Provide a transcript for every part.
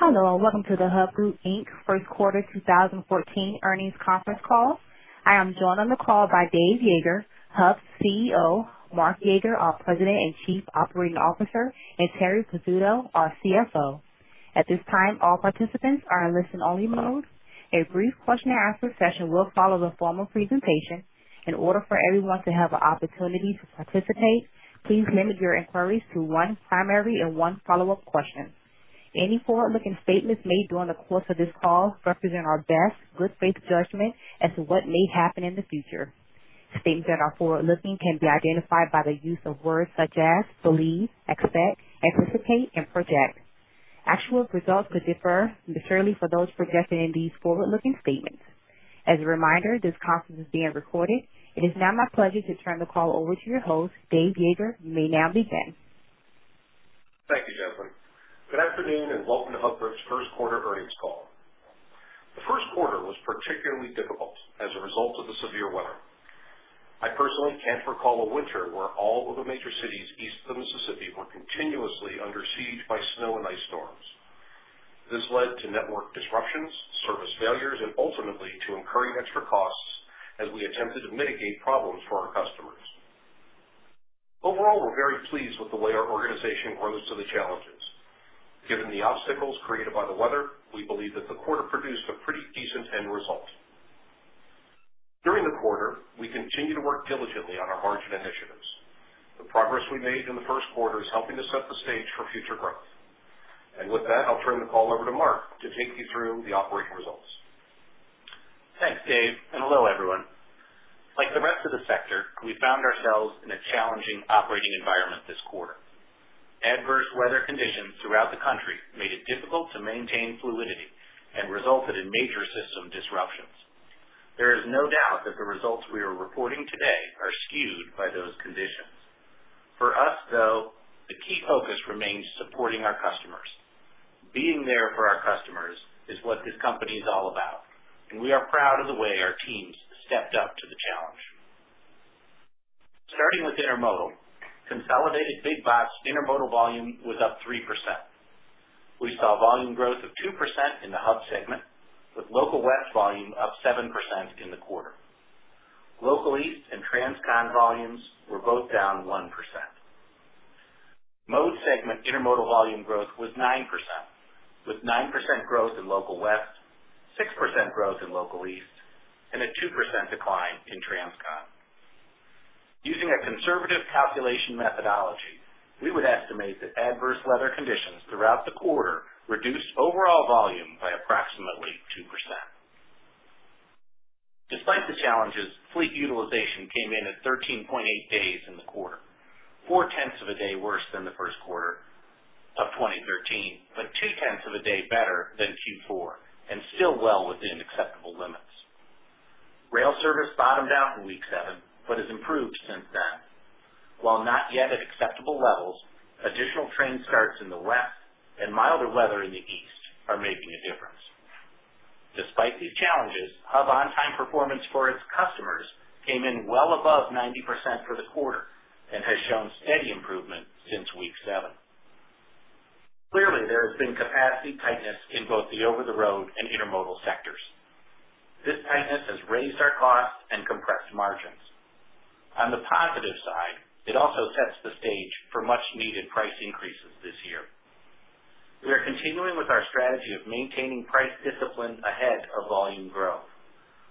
Hello, and welcome to the Hub Group Inc. first quarter 2014 earnings conference call. I am joined on the call by Dave Yeager, Hub's CEO, Mark Yeager, our President and Chief Operating Officer, and Terri Pizzuto, our CFO. At this time, all participants are in listen-only mode. A brief question and answer session will follow the formal presentation. In order for everyone to have an opportunity to participate, please limit your inquiries to one primary and one follow-up question. Any forward-looking statements made during the course of this call represent our best good faith judgment as to what may happen in the future. Statements that are forward-looking can be identified by the use of words such as believe, expect, anticipate, and project. Actual results could differ materially from those projected in these forward-looking statements. As a reminder, this conference is being recorded. It is now my pleasure to turn the call over to your host, Dave Yeager. You may now begin. Thank you, Jennifer. Good afternoon, and welcome to Hub Group's first quarter earnings call. The first quarter was particularly difficult as a result of the severe weather. I personally can't recall a winter where all of the major cities East of the Mississippi were continuously under siege by snow and ice storms. This led to network disruptions, service failures, and ultimately to incurring extra costs as we attempted to mitigate problems for our customers. Overall, we're very pleased with the way our organization rose to the challenges. Given the obstacles created by the weather, we believe that the quarter produced a pretty decent end result. During the quarter, we continued to work diligently on our margin initiatives. The progress we made in the first quarter is helping to set the stage for future growth. With that, I'll turn the call over to Mark to take you through the operating results. Thanks, Dave, and hello, everyone. Like the rest of the sector, we found ourselves in a challenging operating environment this quarter. Adverse weather conditions throughout the country made it difficult to maintain fluidity and resulted in major system disruptions. There is no doubt that the results we are reporting today are skewed by those conditions. For us, though, the key focus remains supporting our customers. Being there for our customers is what this company is all about, and we are proud of the way our teams stepped up to the challenge. Starting with intermodal, consolidated big box intermodal volume was up 3%. We saw volume growth of 2% in the Hub segment, with Local West volume up 7% in the quarter. Local East and Transcon volumes were both down 1%. Mode segment intermodal volume growth was 9%, with 9% growth in Local West, 6% growth in Local East, and a 2% decline in Transcon. Using a conservative calculation methodology, we would estimate that adverse weather conditions throughout the quarter reduced overall volume by approximately 2%. Despite the challenges, fleet utilization came in at 13.8 days in the quarter, 0.4 of a day worse than the first quarter of 2013, but 0.2 of a day better than Q4 and still well within acceptable limits. Rail service bottomed out in week 7, but has improved since then. While not yet at acceptable levels, additional train starts in the west and milder weather in the east are making a difference. Despite these challenges, Hub on-time performance for its customers came in well above 90% for the quarter and has shown steady improvement since week seven. Clearly, there has been capacity tightness in both the over-the-road and intermodal sectors. This tightness has raised our costs and compressed margins. On the positive side, it also sets the stage for much-needed price increases this year. We are continuing with our strategy of maintaining price discipline ahead of volume growth.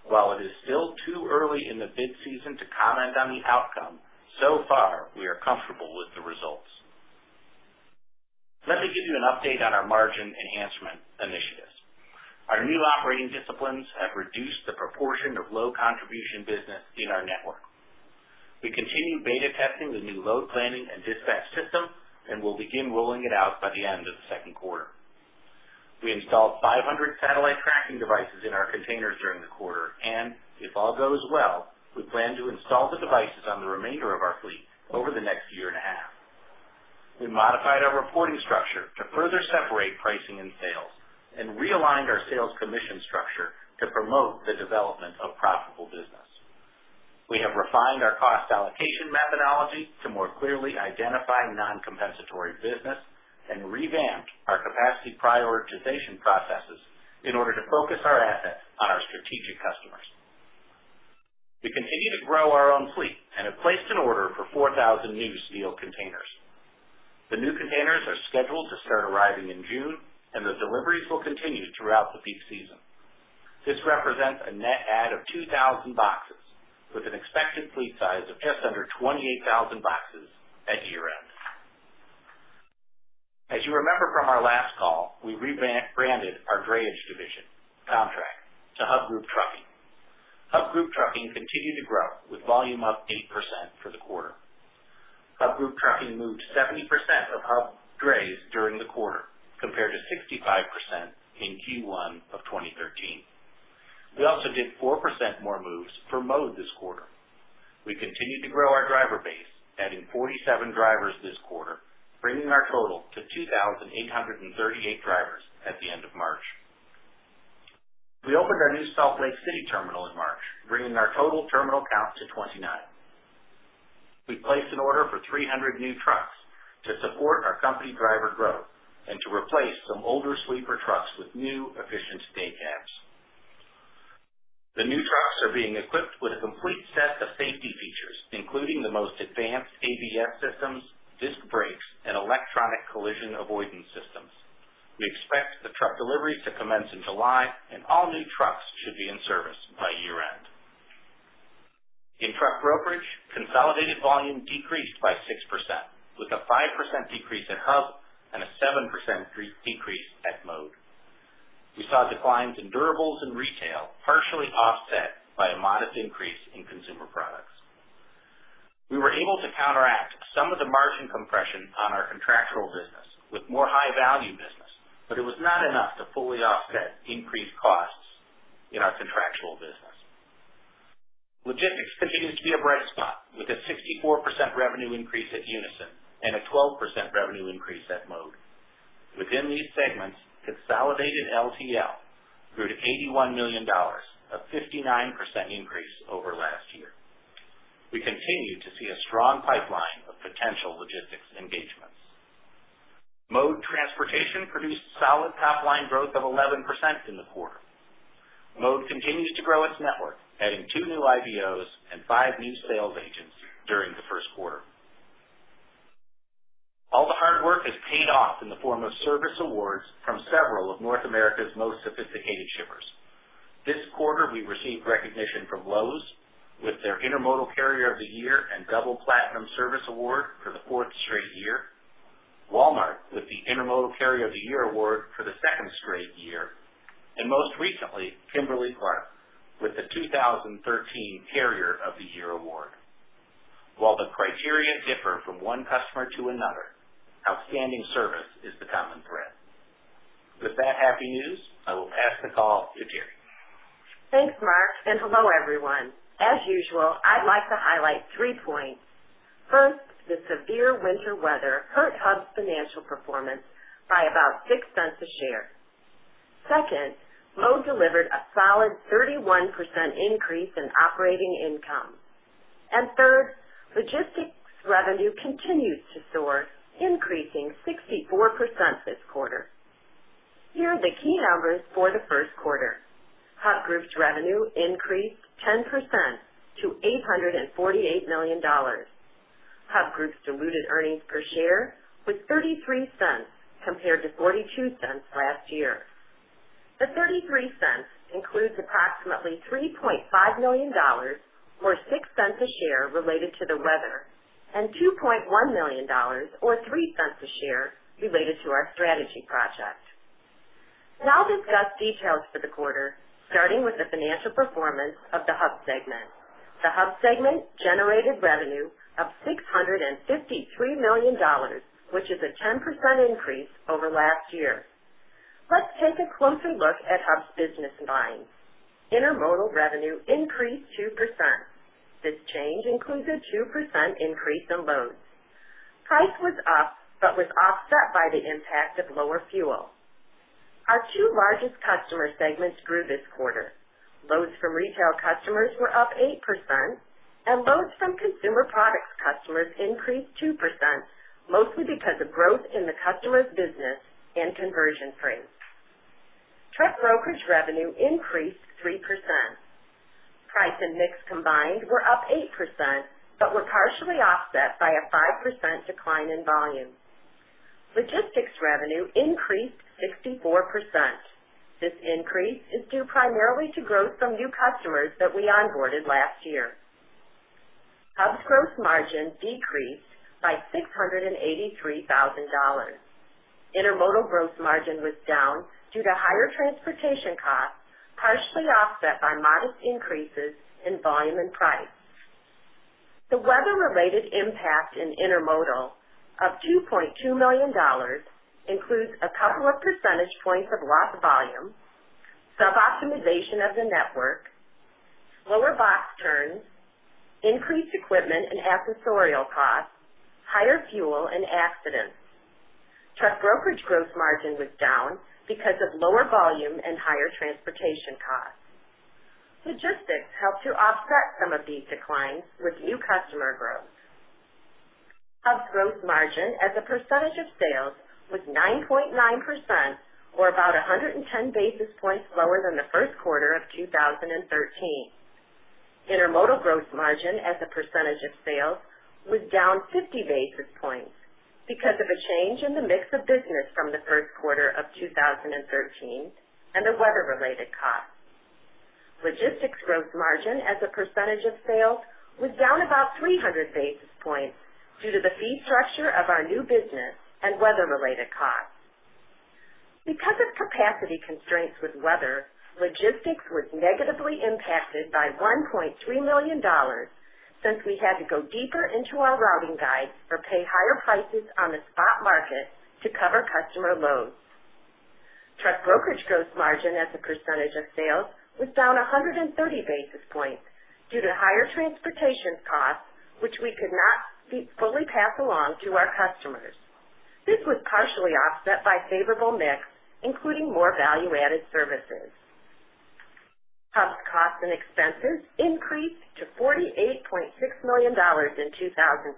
While it is still too early in the bid season to comment on the outcome, so far, we are comfortable with the results. Let me give you an update on our margin enhancement initiatives. Our new operating disciplines have reduced the proportion of low contribution business in our network. We continue beta testing the new load planning and dispatch system and will begin rolling it out by the end of the second quarter. We installed 500 satellite tracking devices in our containers during the quarter, and if all goes well, we plan to install the devices on the remainder of our fleet over the next year and a half. We modified our reporting structure to further separate pricing and sales and realigned our sales commission structure to promote the development of profitable business. We have refined our cost allocation methodology to more clearly identify non-compensatory business and revamped our capacity prioritization processes in order to focus our assets on our strategic customers. We continue to grow our own fleet and have placed an order for 4,000 new steel containers. The new containers are scheduled to start arriving in June, and the deliveries will continue throughout the peak season. This represents a net add of 2,000 boxes, with an expected fleet size of just under 28,000 boxes at year-end. As you remember from our last call, we rebranded our drayage division, Comtrak, to Hub Group Trucking. Hub Group Trucking continued to grow, with volume up 8% for the quarter. Hub Group Trucking moved 70% of Hub drayage during the quarter, compared to 65% in Q1 of 2013. We also did 4% more moves for Mode this quarter. We continued to grow our driver base, adding 47 drivers this quarter, bringing our total to 2,828 drivers at the end of March. We opened our new Salt Lake City terminal in March, bringing our total terminal count to 29. We placed an order for 300 new trucks to support our company driver growth and to replace some older sleeper trucks with new, efficient day cabs. The new trucks are being equipped with a complete set of safety features, including the most advanced ABS systems, disc brakes, and electronic collision avoidance systems. We expect the truck deliveries to commence in July, and all new trucks should be in service by year-end. In truck brokerage, consolidated volume decreased by 6%, with a 5% decrease at Hub and a 7% decrease at Mode. We saw declines in durables and retail, partially offset by a modest increase in consumer products. We were able to counteract some of the margin compression on our contractual business with more high-value business, but it was not enough to fully offset increased costs in our contractual business. Logistics continues to be a bright spot, with a 64% revenue increase at Unyson and a 12% revenue increase at Mode. Within these segments, consolidated LTL grew to $81 million, a 59% increase over last year. We continue to see a strong pipeline of potential logistics engagements. Mode Transportation produced solid top line growth of 11% in the quarter. Mode continues to grow its network, adding two new IBOs and five new sales agents during the first quarter. All the hard work has paid off in the form of service awards from several of North America's most sophisticated shippers. This quarter, we received recognition from Lowe's with their Intermodal Carrier of the Year and Double Platinum Service Award for the fourth straight year, Walmart with the Intermodal Carrier of the Year award for the second straight year, and most recently, Kimberly-Clark with the 2013 Carrier of the Year Award. While the criteria differ from one customer to another, outstanding service is the common thread. With that happy news, I will pass the call to Terri. Thanks, Mark, and hello, everyone. As usual, I'd like to highlight three points. First, the severe winter weather hurt Hub's financial performance by about $0.06 a share. Second, Mode delivered a solid 31% increase in operating income. And third, logistics revenue continues to soar, increasing 64% this quarter. Here are the key numbers for the first quarter. Hub Group's revenue increased 10% to $848 million. Hub Group's diluted earnings per share was $0.33, compared to $0.42 last year. The $0.33 includes approximately $3.5 million, or $0.06 a share, related to the weather, and $2.1 million, or $0.03 a share, related to our strategy project. Now I'll discuss details for the quarter, starting with the financial performance of the Hub segment. The Hub segment generated revenue of $653 million, which is a 10% increase over last year. Let's take a closer look at Hub's business lines. Intermodal revenue increased 2%. This change includes a 2% increase in loads. Price was up, but was offset by the impact of lower fuel. Our two largest customer segments grew this quarter. Loads from retail customers were up 8%, and loads from consumer products customers increased 2%, mostly because of growth in the customer's business and conversion rates. Truck brokerage revenue increased 3%. Price and mix combined were up 8%, but were partially offset by a 5% decline in volume. Logistics revenue increased 64%. This increase is due primarily to growth from new customers that we onboarded last year. Hub's gross margin decreased by $683,000. Intermodal gross margin was down due to higher transportation costs, partially offset by modest increases in volume and price. The weather-related impact in intermodal of $2.2 million includes a couple of percentage points of lost volume, sub-optimization of the network, lower box turns, increased equipment and accessorial costs, higher fuel and accidents. Truck brokerage gross margin was down because of lower volume and higher transportation costs. Logistics helped to offset some of these declines with new customer growth. Hub's gross margin as a percentage of sales was 9.9%, or about 110 basis points lower than the first quarter of 2013. Intermodal gross margin as a percentage of sales was down 50 basis points because of a change in the mix of business from the first quarter of 2013 and the weather-related costs. Logistics gross margin as a percentage of sales was down about 300 basis points due to the fee structure of our new business and weather-related costs. Because of capacity constraints with weather, logistics was negatively impacted by $1.3 million, since we had to go deeper into our routing guide or pay higher prices on the spot market to cover customer loads. Truck brokerage gross margin as a percentage of sales was down 130 basis points due to higher transportation costs, which we could not fully pass along to our customers. This was partially offset by favorable mix, including more value-added services. Hub's costs and expenses increased to $48.6 million in 2014,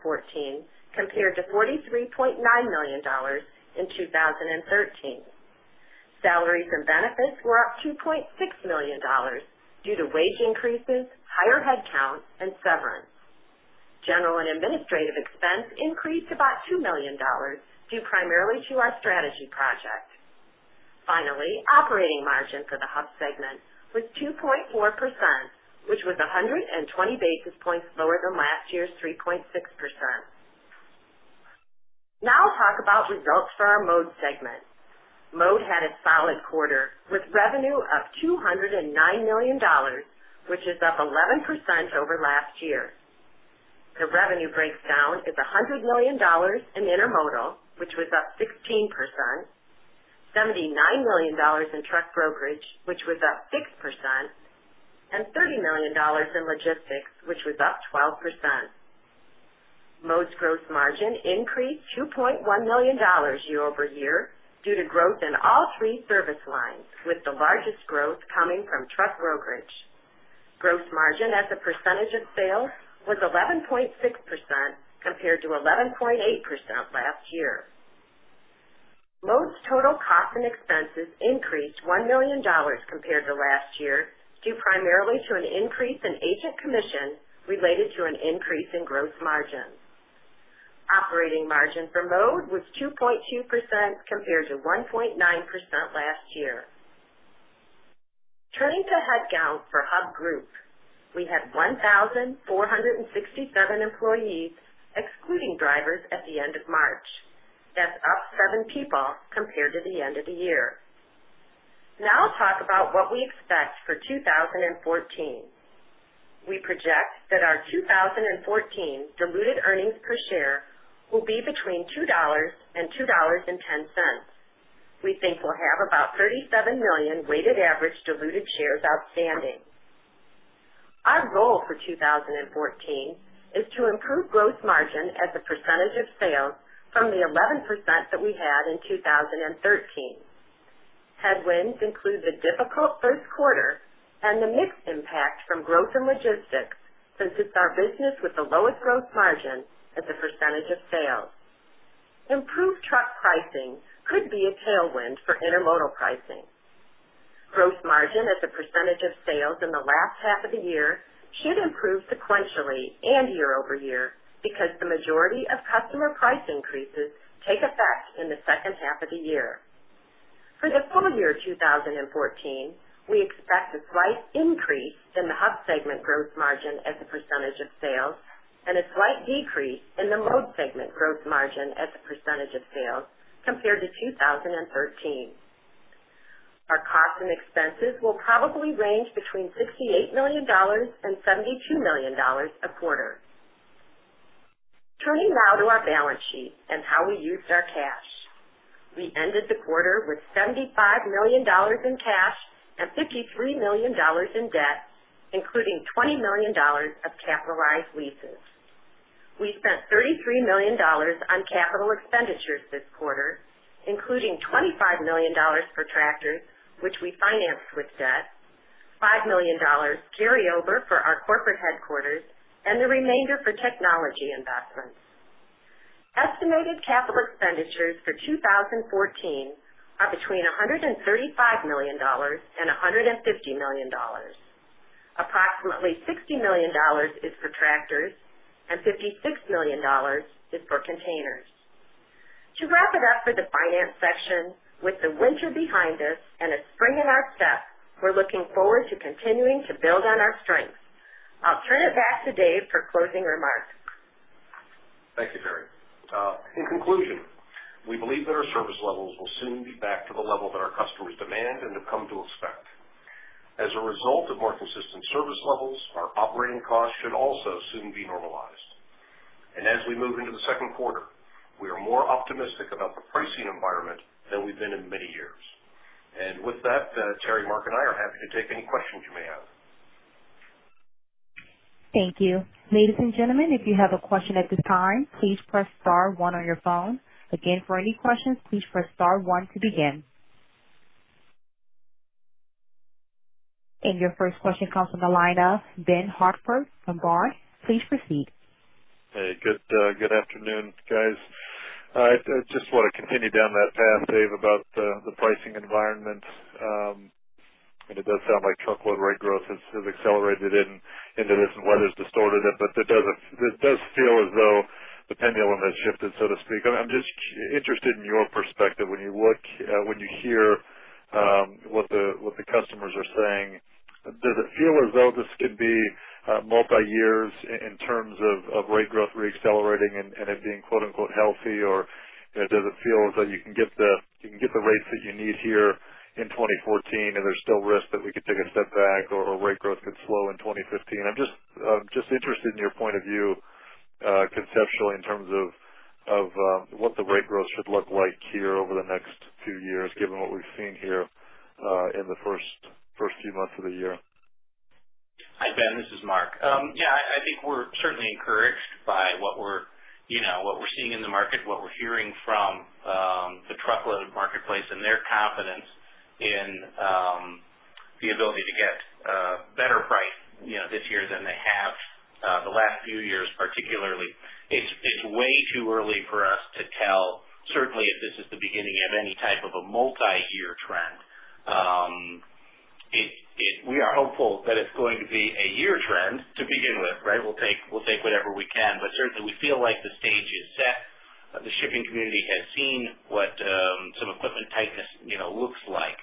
compared to $43.9 million in 2013. Salaries and benefits were up $2.6 million due to wage increases, higher headcount, and severance. General and administrative expense increased about $2 million, due primarily to our strategy project. Finally, operating margin for the Hub segment was 2.4%, which was 120 basis points lower than last year's 3.6%. Now I'll talk about results for our Mode segment. Mode had a solid quarter with revenue of $209 million, which is up 11% over last year. The revenue breakdown is $100 million in intermodal, which was up 16%, $79 million in truck brokerage, which was up 6%, and $30 million in logistics, which was up 12%. Mode's gross margin increased $2.1 million year-over-year due to growth in all three service lines, with the largest growth coming from truck brokerage. Gross margin as a percentage of sales was 11.6%, compared to 11.8% last year. Mode's total costs and expenses increased $1 million compared to last year, due primarily to an increase in agent commission related to an increase in gross margin. Operating margin for Mode was 2.2% compared to 1.9% last year. Turning to headcount for Hub Group. We had 1,467 employees, excluding drivers, at the end of March. That's up 7 people compared to the end of the year. Now I'll talk about what we expect for 2014. We project that our 2014 diluted earnings per share will be between $2 and $2.10. We think we'll have about 37 million weighted average diluted shares outstanding. Our goal for 2014 is to improve gross margin as a percentage of sales from the 11% that we had in 2013. Headwinds include the difficult first quarter and the mix impact from growth in logistics, since it's our business with the lowest gross margin as a percentage of sales. Improved truck pricing could be a tailwind for intermodal pricing. Gross margin as a percentage of sales in the last half of the year should improve sequentially and year over year because the majority of customer price increases take effect in the second half of the year. For the full year 2014, we expect a slight increase in the Hub segment gross margin as a percentage of sales and a slight decrease in the Mode segment gross margin as a percentage of sales compared to 2013. Our costs and expenses will probably range between $58 million and $72 million a quarter. Turning now to our balance sheet and how we used our cash. We ended the quarter with $75 million in cash and $53 million in debt, including $20 million of capitalized leases. We spent $33 million on capital expenditures this quarter, including $25 million for tractors, which we financed with debt, $5 million carryover for our corporate headquarters, and the remainder for technology investments. Estimated capital expenditures for 2014 are between $135 million and $150 million. Approximately $60 million is for tractors and $56 million is for containers. To wrap it up for the finance section, with the winter behind us and a spring in our step, we're looking forward to continuing to build on our strengths. I'll turn it back to Dave for closing remarks. Thank you, Terri. In conclusion, we believe that our service levels will soon be back to the level that our customers demand and have come to expect. As a result of more consistent service levels, our operating costs should also soon be normalized. And as we move into the second quarter, we are more optimistic about the pricing environment than we've been in many years. And with that, Terri, Mark, and I are happy to take any questions you may have. Thank you. Ladies and gentlemen, if you have a question at this time, please press star one on your phone. Again, for any questions, please press star one to begin. And your first question comes from the line of Ben Hartford from Baird. Please proceed. Hey, good afternoon, guys. I just want to continue down that path, Dave, about the pricing environment. And it does sound like truckload rate growth has accelerated and the recent weather's distorted it, but it does feel as though the pendulum has shifted, so to speak. I'm just interested in your perspective when you look, when you hear what the customers are saying, does it feel as though this could be multiyears in terms of rate growth reaccelerating and it being, quote unquote, "healthy," or, you know, does it feel as though you can get the rates that you need here in 2014, and there's still risk that we could take a step back or rate growth could slow in 2015? I'm just, I'm just interested in your point of view, conceptually, in terms of, what the rate growth should look like here over the next few years, given what we've seen here, in the first few months of the year? Hi, Ben, this is Mark. Yeah, I think we're certainly encouraged by what we're seeing, you know, in the market, what we're hearing from the truckload marketplace and their confidence in the ability to get a better price, you know, this year than they have the last few years, particularly. It's way too early for us to tell, certainly, if this is the beginning of any type of a multi-year trend. We are hopeful that it's going to be a year trend to begin with, right? We'll take whatever we can, but certainly we feel like the stage is set. The shipping community has seen what some equipment tightness, you know, looks like.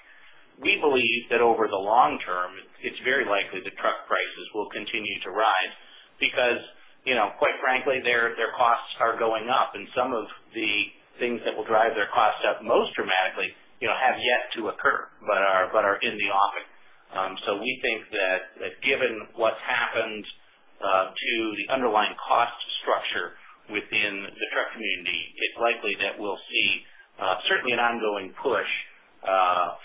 We believe that over the long term, it's very likely that truck prices will continue to rise because, you know, quite frankly, their costs are going up, and some of the things that will drive their costs up most dramatically, you know, have yet to occur, but are in the offing. So we think that given what's happened to the underlying cost structure within the truck community, it's likely that we'll see certainly an ongoing push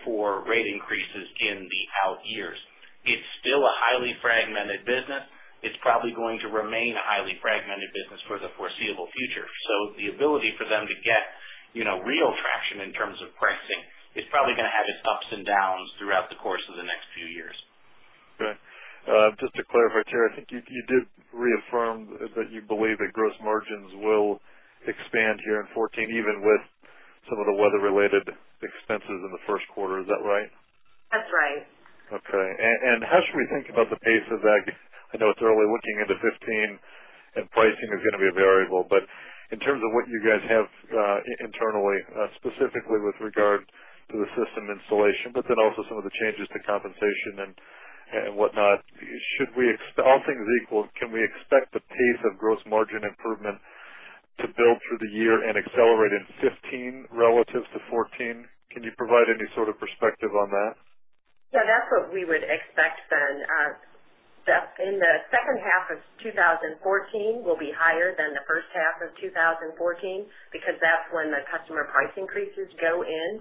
for rate increases in the out years. It's still a highly fragmented business. It's probably going to remain a highly fragmented business for the foreseeable future. So the ability for them to get, you know, real traction in terms of pricing is probably gonna have its ups and downs throughout the course of the next few years. Okay. Just to clarify, Terri, I think you, you did reaffirm that you believe that gross margins will expand here in 2014, even with some of the weather-related expenses in the first quarter. Is that right? That's right. Okay. And, and how should we think about the pace of that? I know it's early looking into 2015, and pricing is gonna be a variable, but in terms of what you guys have internally, specifically with regard to the system installation, but then also some of the changes to compensation and, and whatnot, should we all things equal, can we expect the pace of gross margin improvement to build through the year and accelerate in 2015 relative to 2014? Can you provide any sort of perspective on that? Yeah, that's what we would expect then. That in the second half of 2014 will be higher than the first half of 2014, because that's when the customer price increases go in.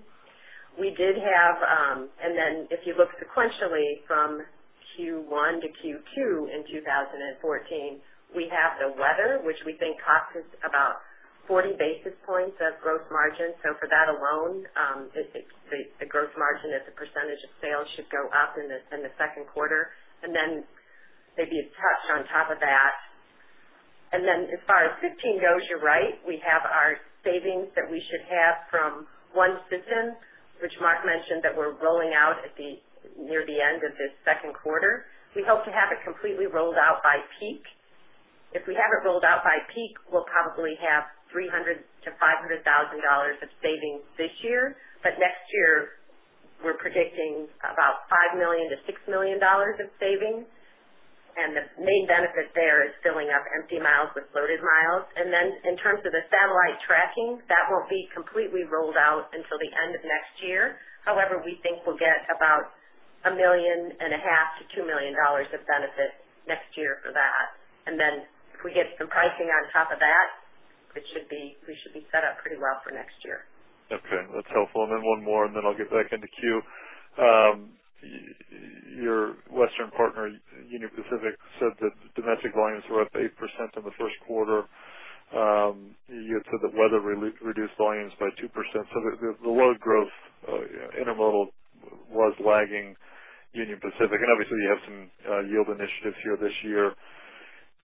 We did have, and then if you look sequentially from Q1 to Q2 in 2014, we have the weather, which we think cost us about 40 basis points of gross margin. So for that alone, it, it, the, the gross margin as a percentage of sales should go up in the, in the second quarter, and then maybe a touch on top of that. And then as far as 2015 goes, you're right. We have our savings that we should have from one system, which Mark mentioned, that we're rolling out at the, near the end of this second quarter. We hope to have it completely rolled out by peak. If we have it rolled out by peak, we'll probably have $300,000-$500,000 of savings this year, but next year, we're predicting about $5 million-$6 million of savings, and the main benefit there is filling up empty miles with loaded miles. And then in terms of the satellite tracking, that won't be completely rolled out until the end of next year. However, we think we'll get about $1.5 million-$2 million of benefit next year for that. And then if we get some pricing on top of that, it should be, we should be set up pretty well for next year. Okay, that's helpful. And then one more, and then I'll get back into queue. Your western partner, Union Pacific, said that domestic volumes were up 8% in the first quarter. You had said that weather reduced volumes by 2%, so the load growth intermodal was lagging Union Pacific, and obviously, you have some yield initiatives here this year.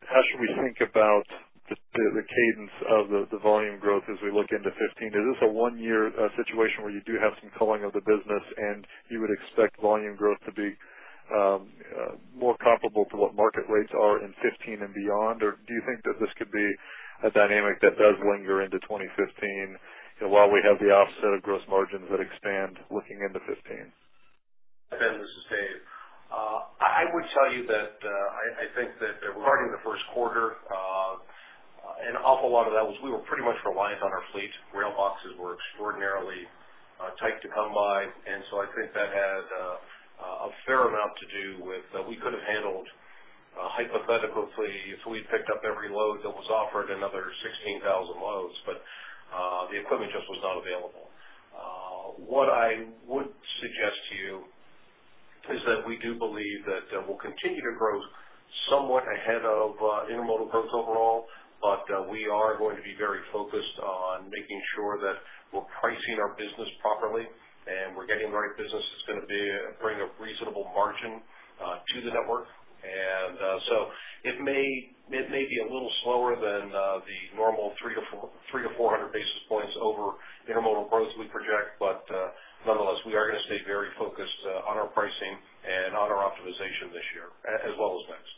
How should we think about the cadence of the volume growth as we look into 2015? Is this a one-year situation where you do have some culling of the business and you would expect volume growth to be more comparable to what market rates are in 2015 and beyond? Or do you think that this could be a dynamic that does linger into 2015, while we have the offset of gross margins that expand looking into 2015? Ben, this is Dave. I would tell you that I think that regarding the first quarter, an awful lot of that was we were pretty much reliant on our fleet. Rail boxes were extraordinarily tight to come by, and so I think that had a fair amount to do with we could have handled, hypothetically, if we picked up every load that was offered, another 16,000 loads, but the equipment just was not available. What I would suggest to you is that we do believe that we'll continue to grow somewhat ahead of intermodal growth overall, but we are going to be very focused on making sure that we're pricing our business properly and we're getting the right business that's gonna be bring a reasonable margin to the network. So it may be a little slower than the normal 300-400 basis points over intermodal growth we project, but nonetheless, we are gonna stay very focused on our pricing and on our optimization this year, as well as next.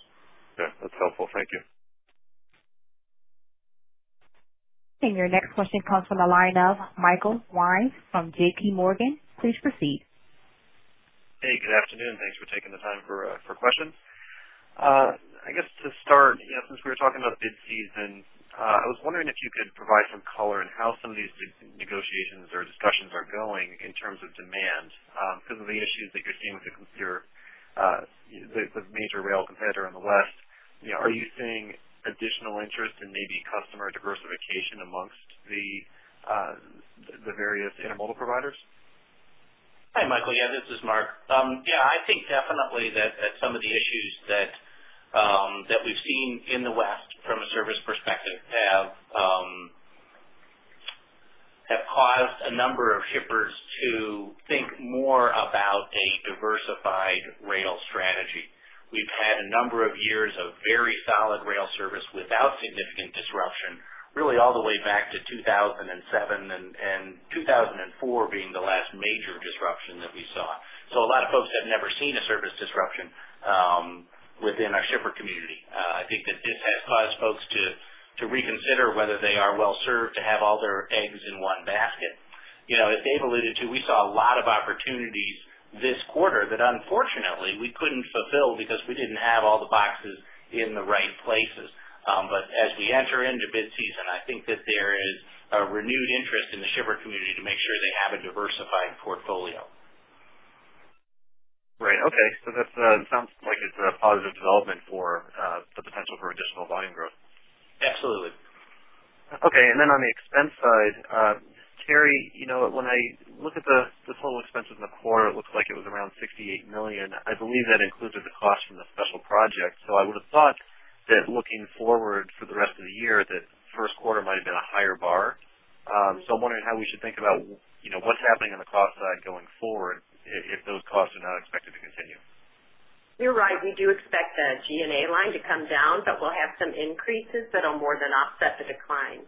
Okay, that's helpful. Thank you. Your next question comes from the line of Michael Weinz from JPMorgan. Please proceed. Hey, good afternoon. Thanks for taking the time for questions. I guess to start, you know, since we were talking about bid season, I was wondering if you could provide some color on how some of these negotiations or discussions are going in terms of demand, because of the issues that you're seeing with your major rail competitor on the west. You know, are you seeing additional interest in maybe customer diversification amongst the various intermodal providers? Hi, Michael. Yeah, this is Mark. Yeah, I think definitely that some of the issues that we've seen in the West from a service perspective have caused a number of shippers to think more about a diversified rail strategy. We've had a number of years of very solid rail service without significant disruption, really all the way back to 2007, and 2004 being the last major disruption that we saw. So a lot of folks have never seen a service disruption within our shipper community. I think that this has caused folks to reconsider whether they are well served to have all their eggs in one basket. You know, as Dave alluded to, we saw a lot of opportunities this quarter that unfortunately we couldn't fulfill because we didn't have all the boxes in the right places. But as we enter into bid season, I think that there is a renewed interest in the shipper community to make sure they have a diversified portfolio. Right. Okay. So that sounds like it's a positive development for the potential for additional volume growth. Absolutely. Okay. And then on the expense side, Terri, you know, when I look at the total expenses in the quarter, it looks like it was around $68 million. I believe that included the cost from the special project. So I would have thought that looking forward for the rest of the year, that first quarter might have been a higher bar. So I'm wondering how we should think about, you know, what's happening on the cost side going forward, if those costs are not expected to continue. You're right. We do expect the G&A line to come down, but we'll have some increases that will more than offset the decline.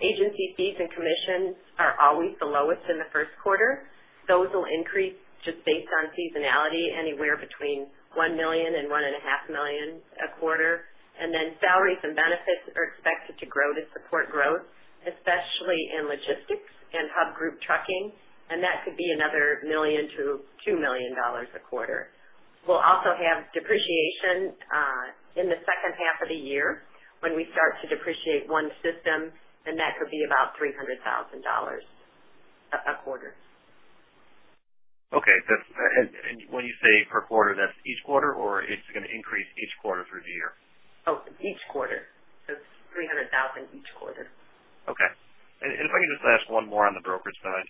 Agency fees and commissions are always the lowest in the first quarter. Those will increase just based on seasonality, anywhere between $1 million and $1.5 million a quarter. And then salaries and benefits are expected to grow to support growth, especially in logistics and Hub Group Trucking, and that could be another $1 million-$2 million a quarter. We'll also have depreciation in the second half of the year when we start to depreciate one system, and that could be about $300,000 a quarter. Okay, that's, and when you say per quarter, that's each quarter or it's gonna increase each quarter through the year? Oh, each quarter. So it's $300,000 each quarter. Okay. If I could just ask one more on the brokerage side.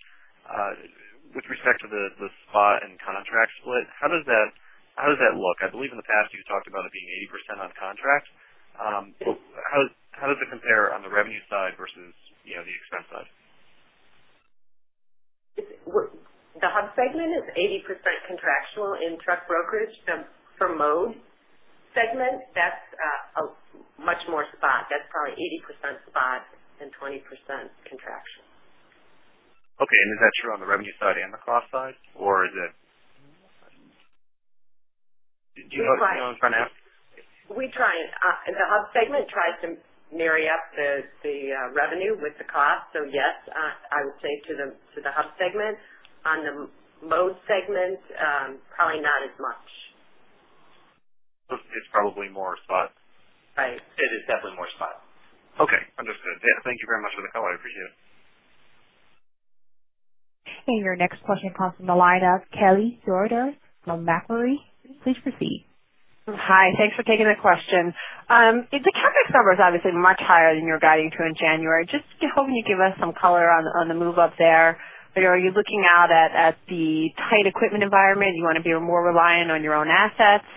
With respect to the spot and contract split, how does that look? I believe in the past, you talked about it being 80% on contract. How does it compare on the revenue side versus, you know, the expense side? The Hub segment is 80% contractual in truck brokerage. For the Mode segment, that's a much more spot. That's probably 80% spot and 20% contractual. Okay. Is that true on the revenue side and the cost side, or is it? Do you know on front end? We try and the Hub segment tries to marry up the revenue with the cost. So yes, I would say to the Hub segment. On the Mode segment, probably not as much. It's probably more spot. Right. It is definitely more spot. Okay, understood. Yeah. Thank you very much for the color. I appreciate it. Your next question comes from the line of Kelly Dougherty from Macquarie. Please proceed. Hi. Thanks for taking the question. The CapEx number is obviously much higher than you're guiding to in January. Just hoping you'd give us some color on, on the move up there. But are you looking out at, at the tight equipment environment? You want to be more reliant on your own assets?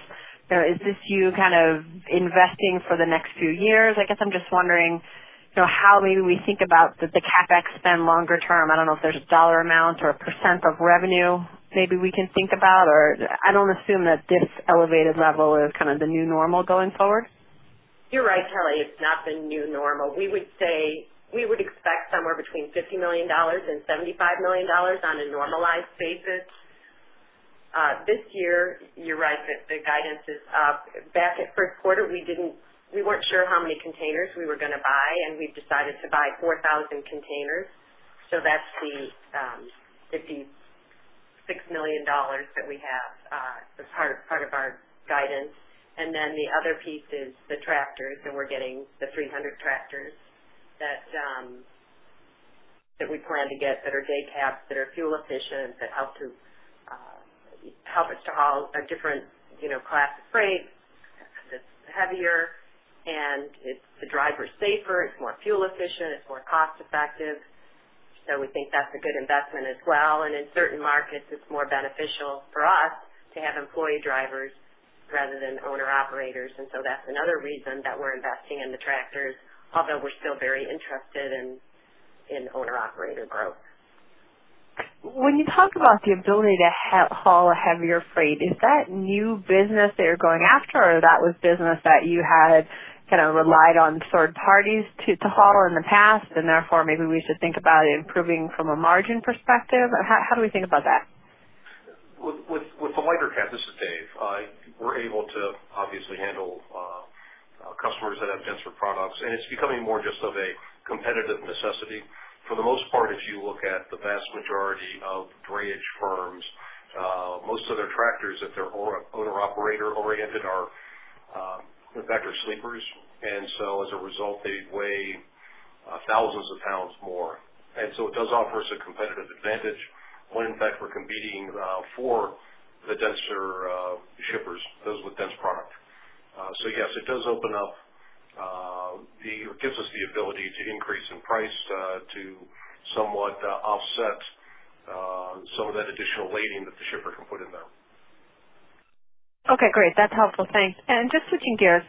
So is this you kind of investing for the next few years? I guess I'm just wondering, you know, how maybe we think about the, the CapEx spend longer term. I don't know if there's a dollar amount or a percent of revenue maybe we can think about, or I don't assume that this elevated level is kind of the new normal going forward. You're right, Kelly. It's not the new normal. We would say, we would expect somewhere between $50 million and $75 million on a normalized basis. This year, you're right, the guidance is up. Back at first quarter, we weren't sure how many containers we were going to buy, and we've decided to buy 4,000 containers. So that's the $56 million that we have as part of our guidance. And then the other piece is the tractors, and we're getting the 300 tractors that we plan to get that are day cabs, that are fuel efficient, that help us to haul a different, you know, class of freight that's heavier and it makes the driver safer, it's more fuel efficient, it's more cost effective. So we think that's a good investment as well. In certain markets, it's more beneficial for us to have employee drivers rather than owner-operators. That's another reason that we're investing in the tractors, although we're still very interested in owner-operator growth. When you talk about the ability to haul a heavier freight, is that new business that you're going after or that was business that you had kind of relied on third parties to haul in the past, and therefore, maybe we should think about it improving from a margin perspective? How do we think about that? With the lighter cab, this is Dave, we're able to obviously handle customers that have denser products, and it's becoming more just of a competitive necessity. For the most part, if you look at the vast majority of drayage firms, most of their tractors, if they're owner/operator-oriented, are, in fact, they're sleepers. And so as a result, they weigh thousands of pounds more. And so it does offer us a competitive advantage when in fact, we're competing for the denser shippers, those with dense product. So yes, it does open up the ability to increase in price to somewhat offset some of that additional weighting that the shipper can put in there. Okay, great. That's helpful. Thanks. Just switching gears,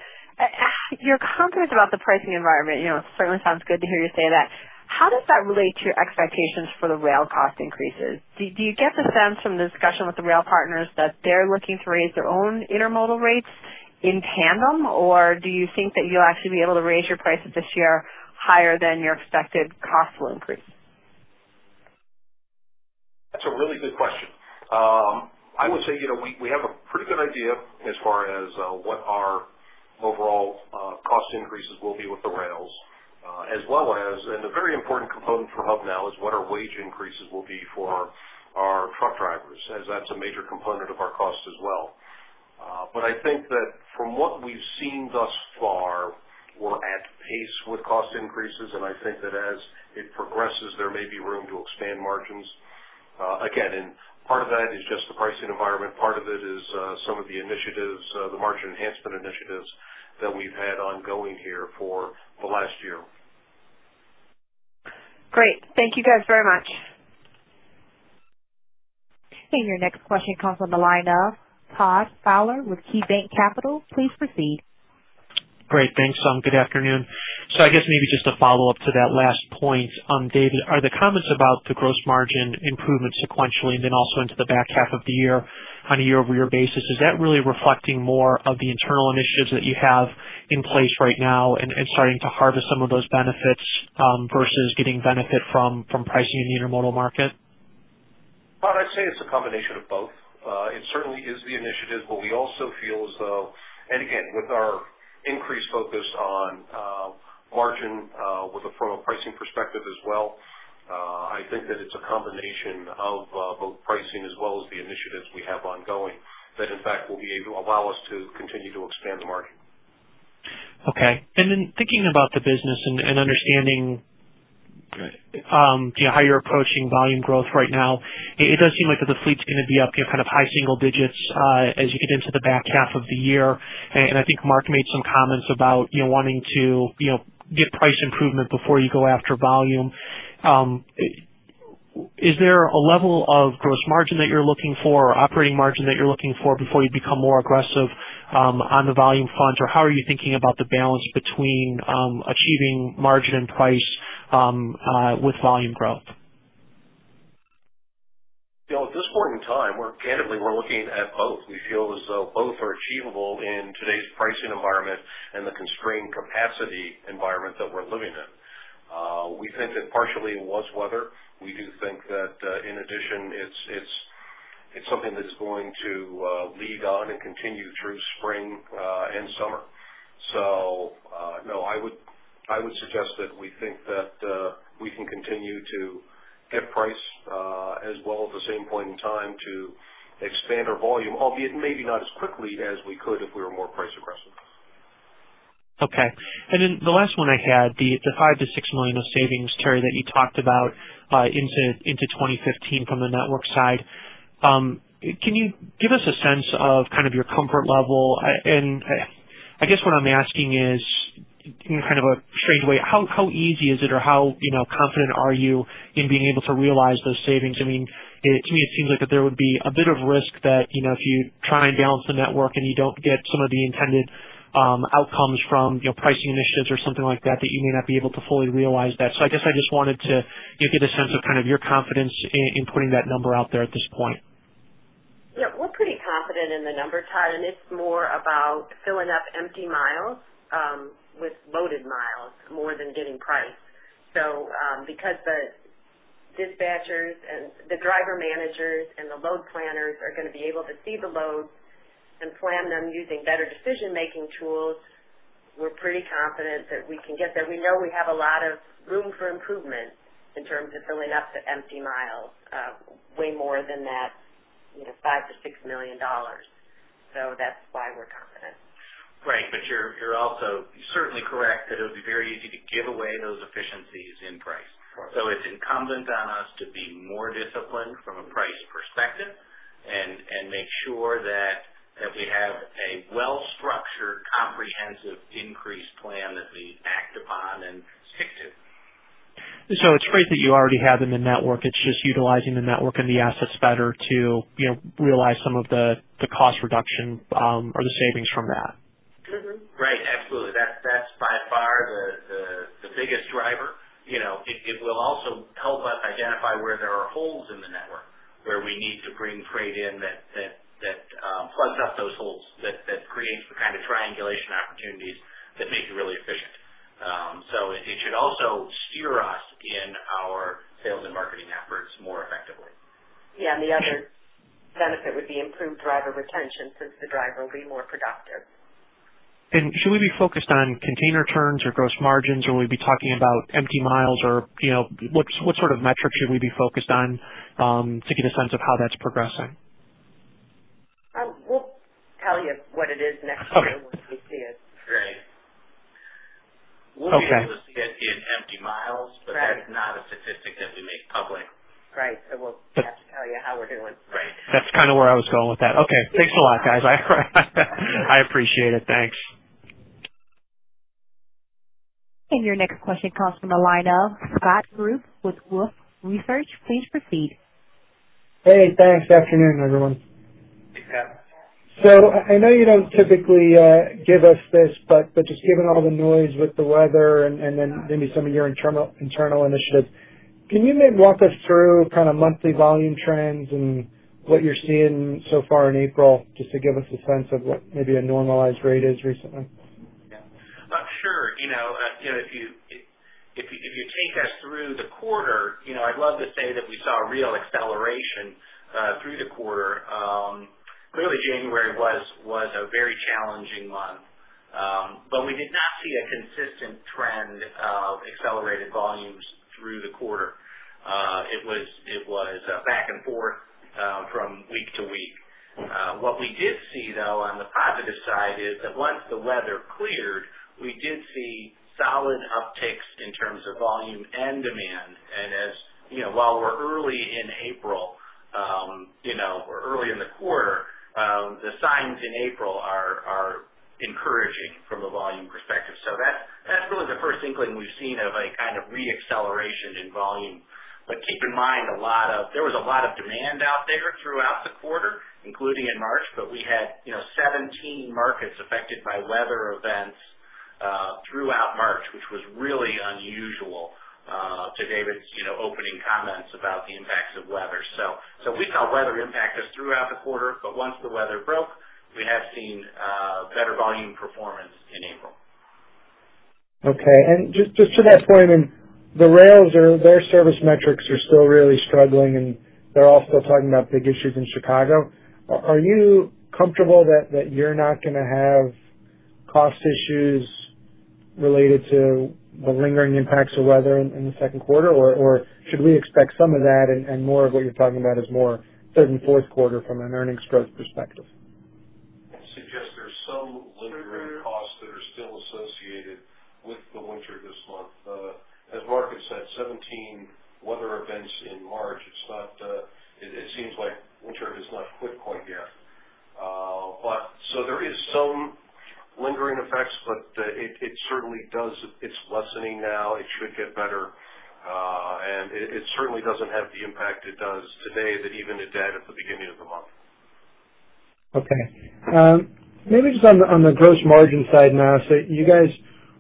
you're confident about the pricing environment. You know, it certainly sounds good to hear you say that. How does that relate to your expectations for the rail cost increases? Do you get the sense from the discussion with the rail partners that they're looking to raise their own intermodal rates in tandem? Or do you think that you'll actually be able to raise your prices this year higher than your expected cost will increase? That's a really good question. I would say, you know, we, we have a pretty good idea as far as what our overall cost increases will be with the rails, as well as, and a very important component for Hub now is what our wage increases will be for our truck drivers, as that's a major component of our cost as well. But I think that from what we've seen thus far, we're at pace with cost increases, and I think that as it progresses, there may be room to expand margins. Again, and part of that is just the pricing environment. Part of it is some of the initiatives, the margin enhancement initiatives that we've had ongoing here for the last year. Great. Thank you guys very much. Your next question comes on the line of Todd Fowler with KeyBanc Capital. Please proceed. Great, thanks. Good afternoon. So I guess maybe just a follow-up to that last point. David, are the comments about the gross margin improvement sequentially and then also into the back half of the year on a year-over-year basis, is that really reflecting more of the internal initiatives that you have in place right now and, and starting to harvest some of those benefits, versus getting benefit from, from pricing in the intermodal market? Well, I'd say it's a combination of both. It certainly is the initiative, but we also feel as though, and again, with our increased focus on margin, with a formal pricing perspective as well, I think that it's a combination of both pricing as well as the initiatives we have ongoing that, in fact, will be able to allow us to continue to expand the margin. Okay. And then thinking about the business and understanding, you know, how you're approaching volume growth right now, it does seem like that the fleet's gonna be up, you know, kind of high single digits, as you get into the back half of the year. And I think Mark made some comments about, you know, wanting to get price improvement before you go after volume. Is there a level of gross margin that you're looking for or operating margin that you're looking for before you become more aggressive on the volume front? Or how are you thinking about the balance between achieving margin and price with volume growth? You know, at this point in time, we're candidly, we're looking at both. We feel as though both are achievable in today's pricing environment and the constrained capacity environment that we're living in. We think it partially was weather. We do think that, in addition, it's something that's going to lead on and continue through spring and summer. So, no, I would suggest that we think that we can continue to get price, as well as at the same point in time to expand our volume, albeit maybe not as quickly as we could if we were more price aggressive. Okay. And then the last one I had, the $5 million-$6 million of savings, Terri, that you talked about, into 2015 from the network side. Can you give us a sense of kind of your comfort level? And I guess what I'm asking is, in kind of a strange way, how easy is it or how, you know, confident are you in being able to realize those savings? I mean, it to me, it seems like that there would be a bit of risk that, you know, if you try and balance the network and you don't get some of the intended outcomes from, you know, pricing initiatives or something like that, that you may not be able to fully realize that. I guess I just wanted to get a sense of kind of your confidence in putting that number out there at this point. Yeah, we're pretty confident in the number, Todd, and it's more about filling up empty miles, with loaded miles, more than getting price. So, because the dispatchers and the driver managers and the load planners are gonna be able to see the loads and plan them using better decision-making tools, we're pretty confident that we can get that. We know we have a lot of room for improvement in terms of filling up the empty miles, way more than that, you know, $5 million-$6 million. So that's why we're confident. Right. But you're, you're also certainly correct that it would be very easy to give away those efficiencies in price. Of course. It's incumbent on us to be more disciplined from a price perspective and make sure that we have a well-structured, comprehensive increase plan that we act upon and stick to. So it's freight that you already have in the network. It's just utilizing the network and the assets better to, you know, realize some of the cost reduction, or the savings from that. Mm-hmm. Right. Absolutely. That's by far the biggest driver. You know, it will also help us identify where there are holes in the network, where we need to bring freight in that plugs up those holes, that creates the kind of triangulation opportunities that make it really efficient. So it should also steer us in our sales and marketing efforts more effectively. Yeah, and the other benefit would be improved driver retention, since the driver will be more productive. Should we be focused on container turns or gross margins? Or are we talking about empty miles or, you know, what's, what sort of metrics should we be focused on, to get a sense of how that's progressing? We'll tell you what it is next year once we see it. Right. We'll be able to get you empty miles, but that is not a statistic that we make public. Right. So we'll have to tell you how we're doing. Right. That's kind of where I was going with that. Okay. Thanks a lot, guys. I appreciate it. Thanks. Your next question comes from the line of Scott Group with Wolfe Research. Please proceed. Hey, thanks. Good afternoon, everyone. Hey, Scott. So I know you don't typically give us this, but just given all the noise with the weather and then maybe some of your internal initiatives, can you maybe walk us through kind of monthly volume trends and what you're seeing so far in April, just to give us a sense of what maybe a normalized rate is recently? Yeah. Sure. You know, you know, if you take us through the quarter, you know, I'd love to say that we saw a real acceleration through the quarter. Clearly, January was a very challenging month, but we did not see a consistent trend of accelerated volumes through the quarter. It was back and forth from week to week. What we did see, though, on the positive side, is that once the weather cleared, we did see solid upticks in terms of volume and demand. And as you know, while we're early in April, you know, or early in the quarter, the signs in April are encouraging from a volume perspective. So that's really the first inkling we've seen of a kind of re-acceleration in volume. But keep in mind, there was a lot of demand out there throughout the quarter, including in March, but we had, you know, 17 markets affected by weather events throughout March, which was really unusual to David's, you know, opening comments about the impacts of weather. So we saw weather impact us throughout the quarter, but once the weather broke, we have seen better volume performance in April. Okay, just to that point, I mean, the rails are, their service metrics are still really struggling, and they're all still talking about big issues in Chicago. Are you comfortable that you're not gonna have cost issues related to the lingering impacts of weather in the second quarter? Or should we expect some of that and more of what you're talking about as more third and fourth quarter from an earnings growth perspective? I'd suggest there's some lingering costs that are still associated with the winter this month. As Mark said, 17 weather events in March. It seems like winter has not quit quite yet. But so there is some lingering effects, but it certainly does, it's lessening now. It should get better, and it certainly doesn't have the impact it does today that even it did at the beginning of the month. Okay. Maybe just on the gross margin side now. So you guys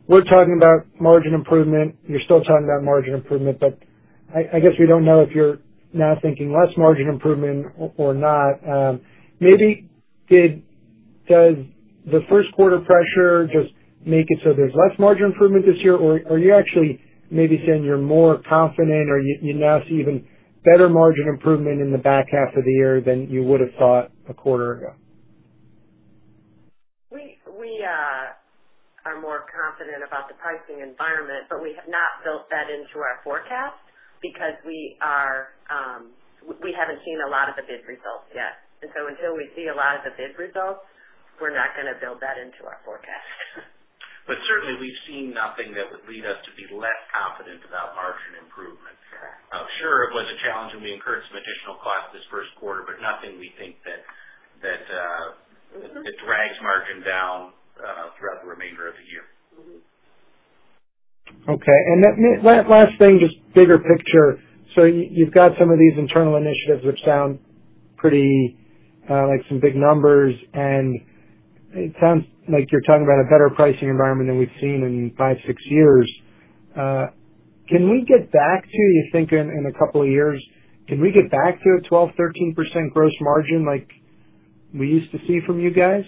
were talking about margin improvement, you're still talking about margin improvement, but I guess we don't know if you're now thinking less margin improvement or not. Maybe does the first quarter pressure just make it so there's less margin improvement this year? Or are you actually maybe saying you're more confident, or you now see even better margin improvement in the back half of the year than you would have thought a quarter ago? We are more confident about the pricing environment, but we have not built that into our forecast because we haven't seen a lot of the bid results yet. And so until we see a lot of the bid results, we're not gonna build that into our forecast. But certainly we've seen nothing that would lead us to be less confident about margin improvement. Sure, it was a challenge, and we incurred some additional costs this first quarter, but nothing we think that it drags margin down throughout the remainder of the year. Okay. And then last, last thing, just bigger picture. So you, you've got some of these internal initiatives, which sound pretty, like some big numbers, and it sounds like you're talking about a better pricing environment than we've seen in 5-6 years. Can we get back to, you think, in a couple of years, can we get back to a 12%-13% gross margin like we used to see from you guys?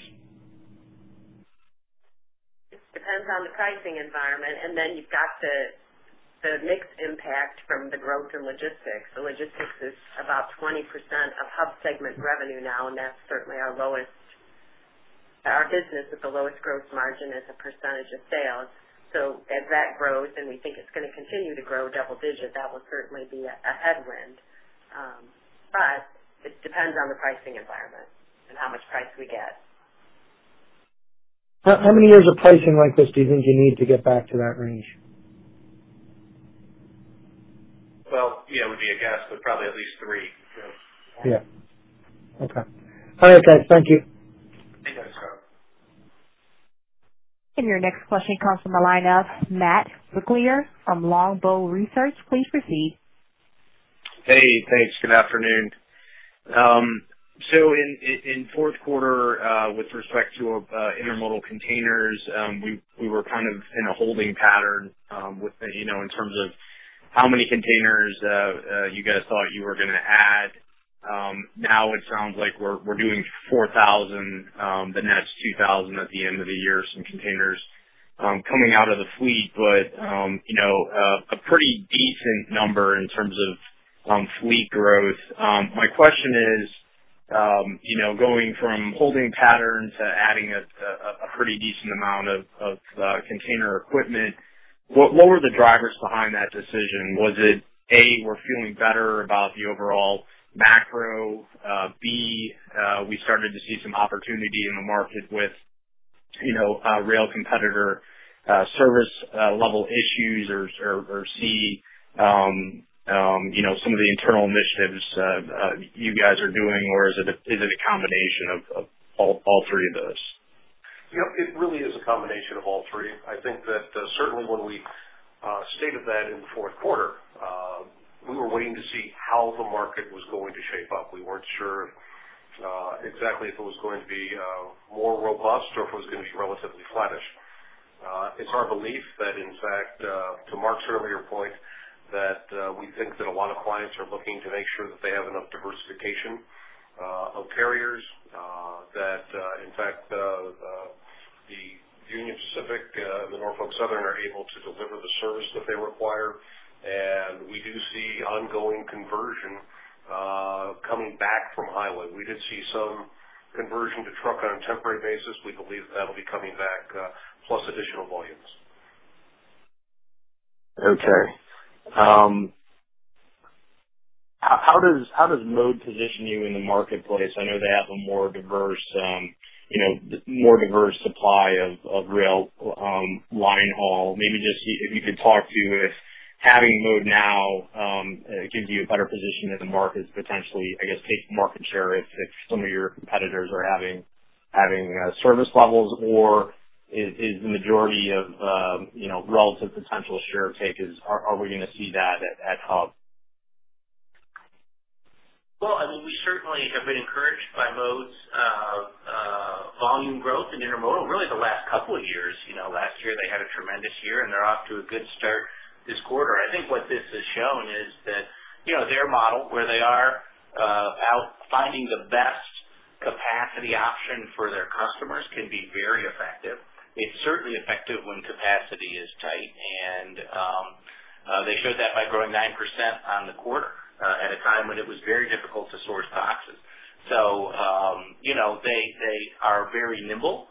It depends on the pricing environment, and then you've got the mixed impact from the growth in logistics. The logistics is about 20% of Hub segment revenue now, and that's certainly our lowest, our business with the lowest growth margin as a percentage of sales. So as that grows, and we think it's going to continue to grow double digits, that will certainly be a headwind. But it depends on the pricing environment and how much price we get. How many years of pricing like this do you think you need to get back to that range? Well, yeah, it would be a guess, but probably at least three. Yeah. Okay. All right, guys. Thank you. Thanks, Scott. Your next question comes from the line of Matt Brooklier from Longbow Research. Please proceed. Hey, thanks. Good afternoon. So in fourth quarter, with respect to intermodal containers, we were kind of in a holding pattern with the, you know, in terms of how many containers you guys thought you were gonna add. Now it sounds like we're doing 4,000, but that's 2,000 at the end of the year, some containers coming out of the fleet, but you know, a pretty decent number in terms of fleet growth. My question is, you know, going from holding patterns to adding a pretty decent amount of container equipment, what were the drivers behind that decision? Was it, A, we're feeling better about the overall macro? B, we started to see some opportunity in the market with, you know, a rail competitor service level issues or, or, or C, you know, some of the internal initiatives you guys are doing? Or is it a, is it a combination of all three of those? You know, it really is a combination of all three. I think that, certainly when we stated that in the fourth quarter, we were waiting to see how the market was going to shape up. We weren't sure, exactly if it was going to be more robust or if it was going to be relatively flattish. It's our belief that in fact, to Mark's earlier point, that we think that a lot of clients are looking to make sure that they have enough diversification of carriers. That, in fact, the Union Pacific, the Norfolk Southern, are able to deliver the service that they require. And we do see ongoing conversion coming back from highway. We did see some conversion to truck on a temporary basis. We believe that'll be coming back, plus additional volumes. Okay. How does Mode position you in the marketplace? I know they have a more diverse, you know, more diverse supply of rail line haul. Maybe just if you could talk to if having Mode now gives you a better position in the markets, potentially, I guess, take market share if some of your competitors are having service levels? Or is the majority of, you know, relative potential share takes, are we gonna see that at Hub? Well, I mean, we certainly have been encouraged by Mode's volume growth in intermodal, really the last couple of years. You know, last year they had a tremendous year, and they're off to a good start this quarter. I think what this has shown is that, you know, their model, where they are out finding the best capacity option for their customers, can be very effective. It's certainly effective when capacity is tight. And they showed that by growing 9% on the quarter, at a time when it was very difficult to source boxes. So, you know, they, they are very nimble.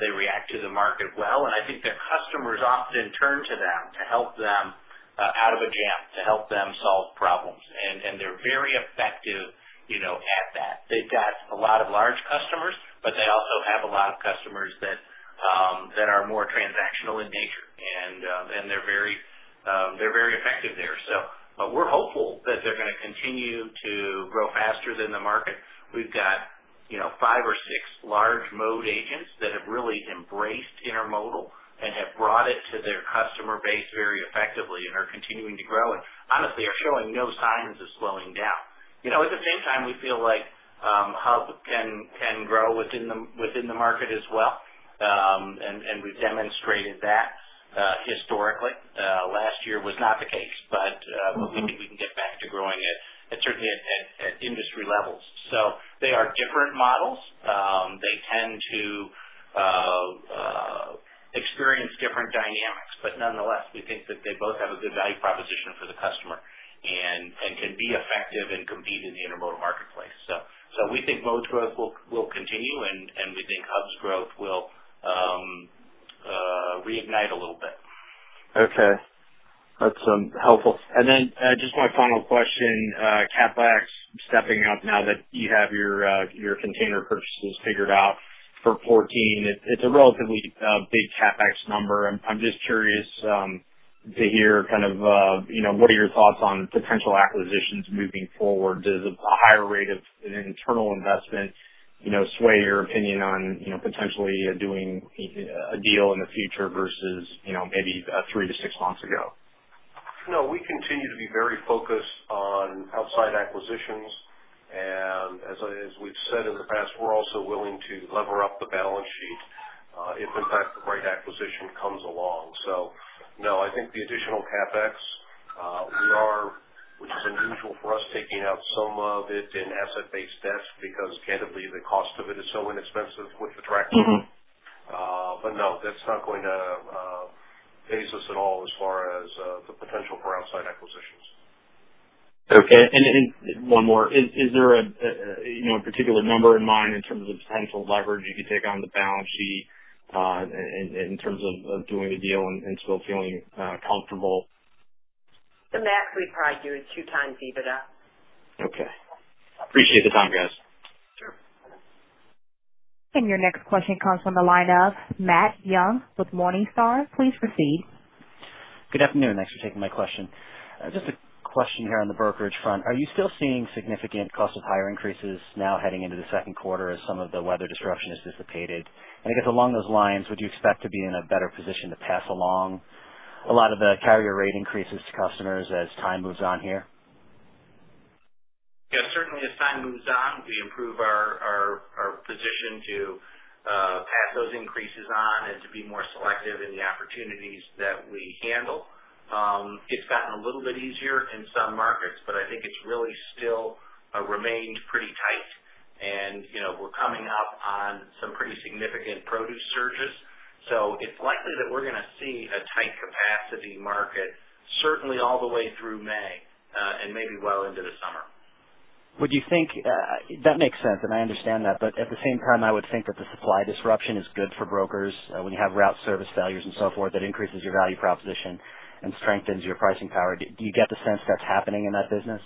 They react to the market well, and I think their customers often turn to them to help them out of a jam, to help them solve problems. And, and they're very effective, you know, at that. They've got a lot of large customers, but they also have a lot of customers that are more transactional in nature. And they're very effective there. So we're hopeful that they're gonna continue to grow faster than the market. We've got, you know, five or six large Mode agents that have really embraced intermodal and have brought it to their customer base very effectively and are continuing to grow and honestly, are showing no signs of slowing down. You know, at the same time, we feel like Hub can grow within the market as well. And we've demonstrated that historically. Last year was not the case, but we think we can get back to growing at certainly industry levels. So they are different models. They tend to experience different dynamics, but nonetheless, we think that they both have a good value proposition for the customer and can be effective and compete in the intermodal marketplace. So we think Mode's growth will continue, and we think Hub's growth will reignite a little bit. Okay. That's helpful. And then just my final question. CapEx stepping up now that you have your your container purchases figured out for 2014, it's a relatively big CapEx number. I'm just curious to hear kind of you know what are your thoughts on potential acquisitions moving forward? Does a higher rate of an internal investment you know sway your opinion on you know potentially doing a a deal in the future versus you know maybe 3-6 months ago? No, we continue to be very focused on outside acquisitions. And as we've said in the past, we're also willing to lever up the balance sheet, if in fact, the right acquisition comes along. So, no, I think the additional CapEx, we are, which is unusual for us, taking out some of it in asset-based debts, because candidly, the cost of it is so inexpensive with the tracking. But no, that's not going to phase us at all as far as the potential for outside acquisitions. Okay. And one more. Is there a, you know, a particular number in mind in terms of the potential leverage you could take on the balance sheet, in terms of doing a deal and still feeling comfortable? The max, we'd probably do is 2x EBITDA. Okay. Appreciate the time, guys. Sure. Your next question comes from the line of Matt Young with Morningstar. Please proceed. Good afternoon. Thanks for taking my question. Just a question here on the brokerage front. Are you still seeing significant cost of hire increases now heading into the second quarter as some of the weather disruption has dissipated? And I guess along those lines, would you expect to be in a better position to pass along a lot of the carrier rate increases to customers as time moves on here? Yeah, certainly as time moves on, we improve our position to pass those increases on and to be more selective in the opportunities that we handle. It's gotten a little bit easier in some markets, but I think it's really still remained pretty tight. And, you know, we're coming up on some pretty significant produce surges. So it's likely that we're gonna see a tight capacity market, certainly all the way through May, and maybe well into the summer. Would you think that makes sense, and I understand that, but at the same time, I would think that the supply disruption is good for brokers. When you have route service failures and so forth, that increases your value proposition and strengthens your pricing power. Do you get the sense that's happening in that business?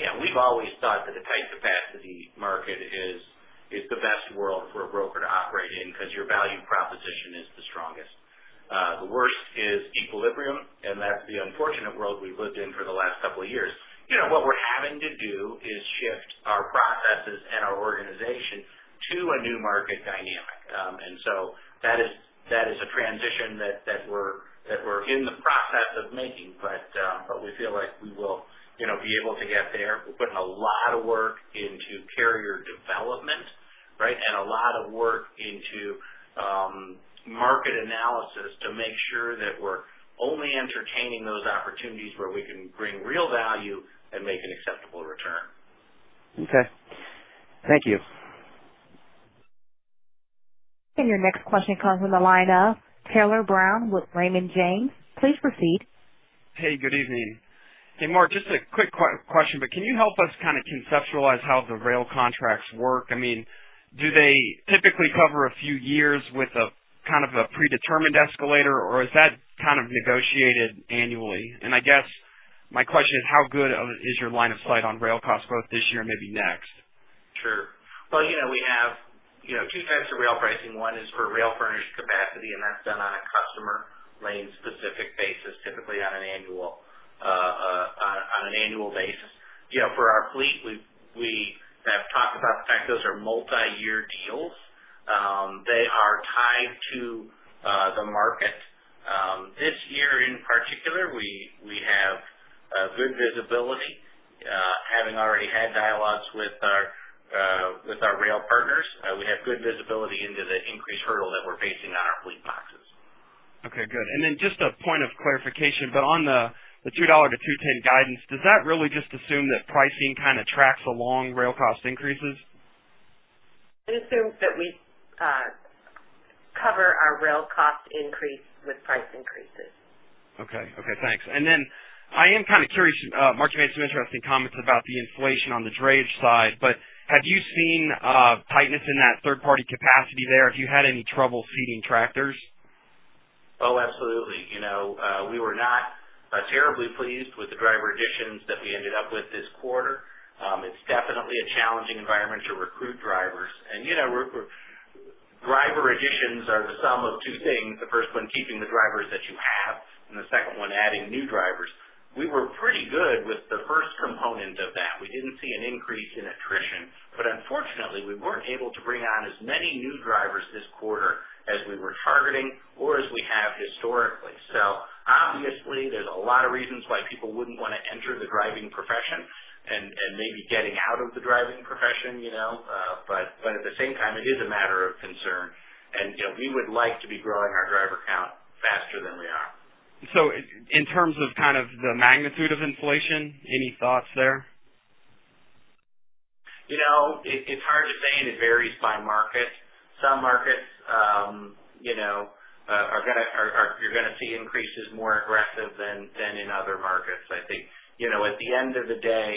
Yeah, we've always thought that a tight capacity market is the best world for a broker to operate in because your value proposition is the strongest. The worst is equilibrium, and that's the unfortunate world we've lived in for the last couple of years. You know, what we're having to do is shift our processes and our organization to a new market dynamic. And so that is a transition that we're in the process of making. But we feel like we will, you know, be able to get there. We're putting a lot of work into carrier development, right? And a lot of work into market analysis to make sure that we're only entertaining those opportunities where we can bring real value and make an acceptable return. Okay. Thank you. Your next question comes from the line of Tyler Brown with Raymond James. Please proceed. Hey, good evening. Hey, Mark, just a quick question, but can you help us kind of conceptualize how the rail contracts work? I mean, do they typically cover a few years with a kind of a predetermined escalator, or is that kind of negotiated annually? And I guess my question is: How good is your line of sight on rail cost growth this year and maybe next? Sure. Well, you know, we have, you know, two types of rail pricing. One is for rail furnished capacity, and that's done on a customer lane-specific basis, typically on an annual basis. You know, for our fleet, we have talked about the fact those are multiyear deals. They are tied to the market. This year, in particular, we have good visibility, having already had dialogues with our rail partners. We have good visibility into the increased hurdle that we're facing on our fleet boxes. Okay, good. And then just a point of clarification, but on the $2-$2.10 guidance, does that really just assume that pricing kind of tracks along rail cost increases? It assumes that we cover our rail cost increase with price increases. Okay. Okay, thanks. And then I am kind of curious, Mark, you made some interesting comments about the inflation on the drayage side, but have you seen tightness in that third-party capacity there? Have you had any trouble seating tractors? Oh, absolutely. You know, we were not terribly pleased with the driver additions that we ended up with this quarter. It's definitely a challenging environment to recruit drivers. And, you know, driver additions are the sum of two things. The first one, keeping the drivers that you have, and the second one, adding new drivers. We were pretty good with the first component of that. We didn't see an increase in attrition, but unfortunately, we weren't able to bring on as many new drivers this quarter as we were targeting or as we have historically. So obviously, there's a lot of reasons why people wouldn't want to enter the driving profession and maybe getting out of the driving profession, you know, but at the same time, it is a matter of concern. You know, we would like to be growing our driver count faster than we are. In terms of kind of the magnitude of inflation, any thoughts there? You know, it's hard to say, and it varies by market. Some markets, you know, you're gonna see increases more aggressive than in other markets. I think, you know, at the end of the day,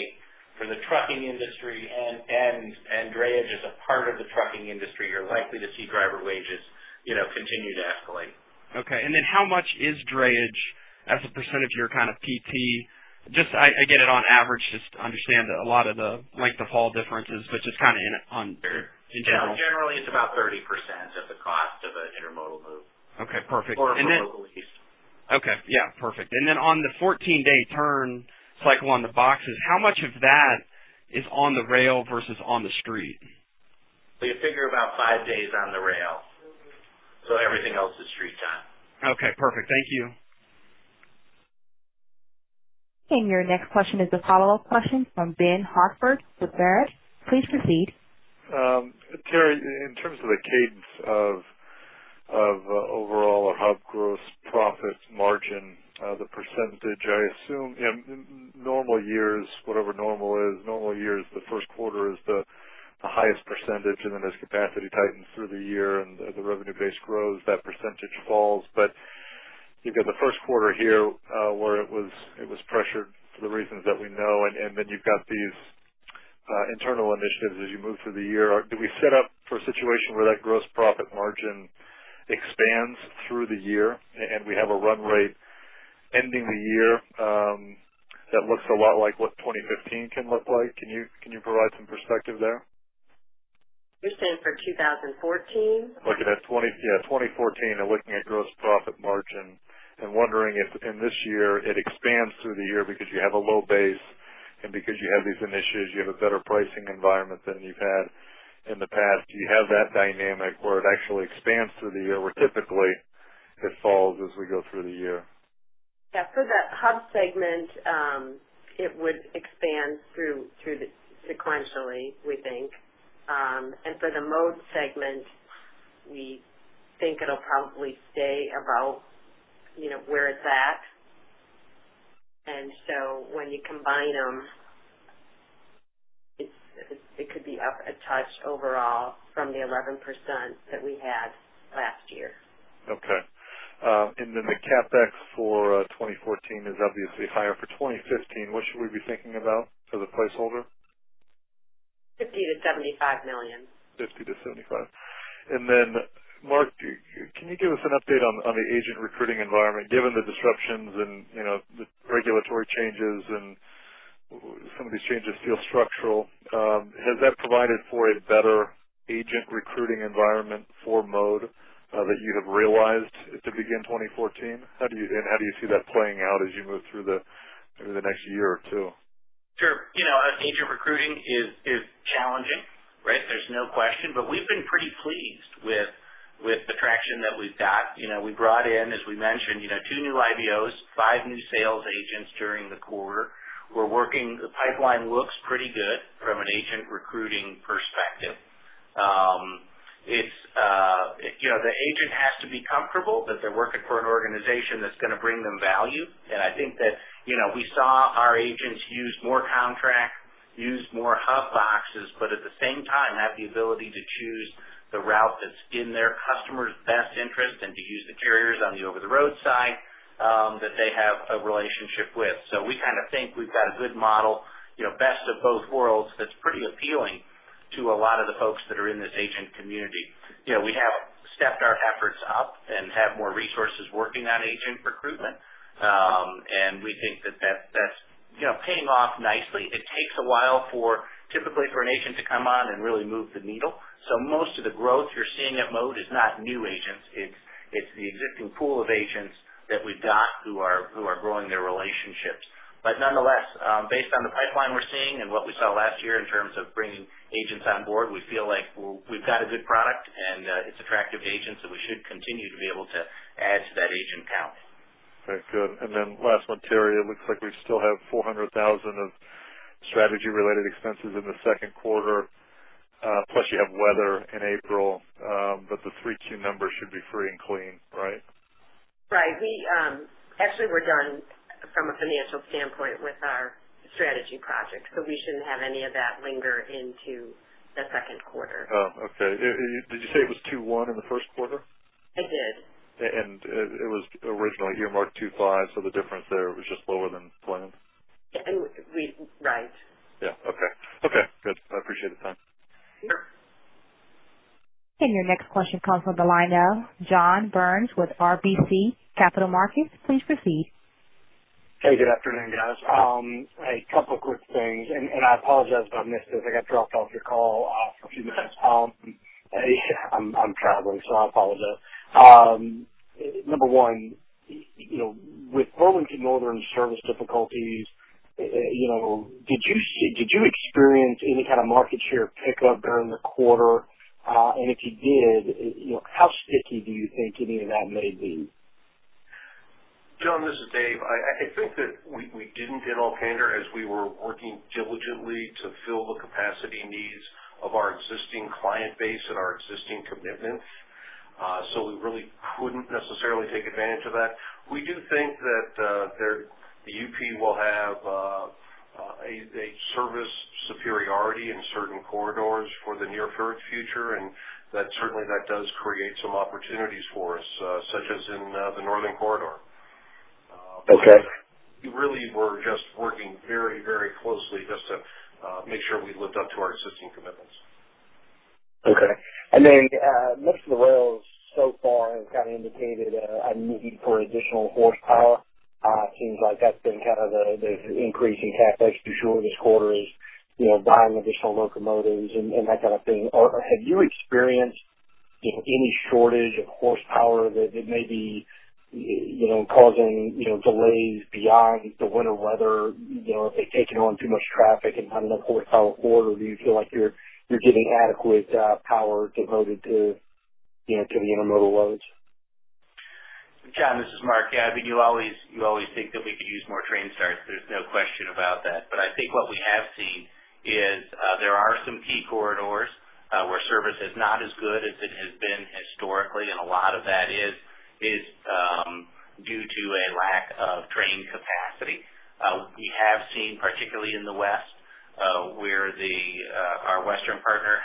for the trucking industry and drayage is a part of the trucking industry, you're likely to see driver wages, you know, continue to escalate. Okay, and then how much is drayage as a percentage of your kind of PT? Just, I get it on average, just to understand a lot of the length-of-haul differences, but just kind of in general. Yeah, generally, it's about 30% of the cost of an intermodal move. Okay, perfect. Or for local use. Okay. Yeah, perfect. And then on the 14-day turn cycle on the boxes, how much of that is on the rail versus on the street? So you figure about five days on the rail, so everything else is street time. Okay, perfect. Thank you. Your next question is the follow-up question from Ben Hartford with Baird. Please proceed. Terri, in terms of the cadence of overall Hub gross profit margin, the percentage, I assume in normal years, whatever normal is, normal years, the first quarter is the highest percentage, and then as capacity tightens through the year and the revenue base grows, that percentage falls. But you've got the first quarter here, where it was pressured for the reasons that we know, and then you've got these internal initiatives as you move through the year. Do we set up for a situation where that gross profit margin expands through the year, and we have a run rate ending the year that looks a lot like what 2015 can look like? Can you provide some perspective there? You're saying for 2014? Looking at 2014, and looking at gross profit margin and wondering if in this year, it expands through the year because you have a low base and because you have these initiatives, you have a better pricing environment than you've had in the past. Do you have that dynamic where it actually expands through the year, where typically it falls as we go through the year? Yeah, for the Hub segment, it would expand through the sequentially, we think. And for the Mode segment, we think it'll probably stay about, you know, where it's at. And so when you combine them, it's, it could be up a touch overall from the 11% that we had last year. Okay. And then the CapEx for 2014 is obviously higher. For 2015, what should we be thinking about as a placeholder? $50 million-$75 million. $50 million-$75 million. And then, Mark, can you give us an update on the agent recruiting environment, given the disruptions and, you know, the regulatory changes and some of these changes feel structural, has that provided for a better agent recruiting environment for Mode that you have realized to begin 2014? How do you, and how do you see that playing out as you move through the next year or two? Sure. You know, agent recruiting is challenging, right? There's no question, but we've been pretty pleased with the traction that we've got. You know, we brought in, as we mentioned, you know, two new IBOs, five new sales agents during the quarter. We're working, the pipeline looks pretty good from an agent recruiting perspective. It's, you know, the agent has to be comfortable that they're working for an organization that's going to bring them value. And I think that, you know, we saw our agents use more Comtrak, use more Hub boxes, but at the same time, have the ability to choose the route that's in their customer's best interest and to use the carriers on the over-the-road side that they have a relationship with. So we kind of think we've got a good model, you know, best of both worlds, that's pretty appealing to a lot of the folks that are in this agent community. You know, we have stepped our efforts up and have more resources working on agent recruitment, and we think that's, you know, paying off nicely. It takes a while, typically, for an agent to come on and really move the needle. So most of the growth you're seeing at Mode is not new agents, it's the existing pool of agents that we've got who are growing their relationships. Nonetheless, based on the pipeline we're seeing and what we saw last year in terms of bringing agents on board, we feel like we've got a good product and it's attractive to agents, so we should continue to be able to add to that agent count. Okay, good. Then last one, Terri, it looks like we still have $400,000 of strategy-related expenses in the second quarter, plus you have weather in April, but the 3Q numbers should be free and clean, right? Right. We, actually, we're done from a financial standpoint with our strategy project, so we shouldn't have any of that linger into the second quarter. Oh, okay. Did you say it was 21 in the first quarter? I did. It was originally earmarked 25, so the difference there was just lower than planned? Yeah, right. Yeah. Okay. Okay, good. I appreciate the time. Sure. And your next question comes from the line of John Barnes with RBC Capital Markets. Please proceed. Hey, good afternoon, guys. A couple of quick things, and I apologize if I missed this. I got dropped off your call for a few minutes. I'm traveling, so I apologize. Number one, you know, with Burlington Northern service difficulties, you know, did you see, did you experience any kind of market share pickup during the quarter? And if you did, you know, how sticky do you think any of that may be? John, this is Dave. I think that we didn't, in all candor, as we were working diligently to fill the capacity needs of our existing client base and our existing commitments, so we really couldn't necessarily take advantage of that. We do think that the UP will have a service superiority in certain corridors for the near future, and that certainly does create some opportunities for us, such as in the northern corridor. Okay. We really were just working very, very closely just to make sure we lived up to our existing commitments. Okay. And then, most of the rails so far have kind of indicated a need for additional horsepower. It seems like that's been kind of the increasing task for sure this quarter is, you know, buying additional locomotives and that kind of thing. Or have you experienced any shortage of horsepower that may be, you know, causing, you know, delays beyond the winter weather? You know, have they taken on too much traffic and not enough horsepower, or do you feel like you're getting adequate power devoted to, you know, to the intermodal loads? John, this is Mark. Yeah, I mean, you always, you always think that we could use more train starts. There's no question about that. But I think what we have seen is, there are some key corridors, where service is not as good as it has been historically, and a lot of that is due to a lack of train capacity. We have seen, particularly in the West, where our western partner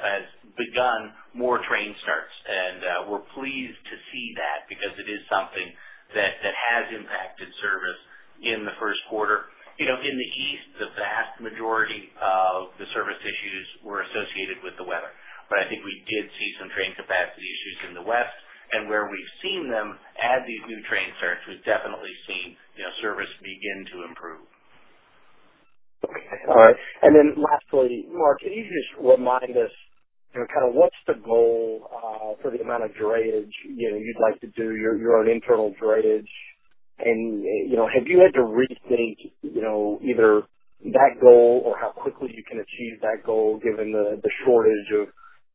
has begun more train starts, and we're pleased to see that because it is something that has impacted service in the first quarter. You know, in the east, the vast majority of the service issues were associated with the weather. But I think we did see some train capacity issues in the West, and where we've seen them add these new train starts, we've definitely seen, you know, service begin to improve. Okay, all right. And then lastly, Mark, can you just remind us, you know, kind of what's the goal for the amount of drayage, you know, you'd like to do your own internal drayage? And, you know, have you had to rethink, you know, either that goal or how quickly you can achieve that goal, given the shortage of,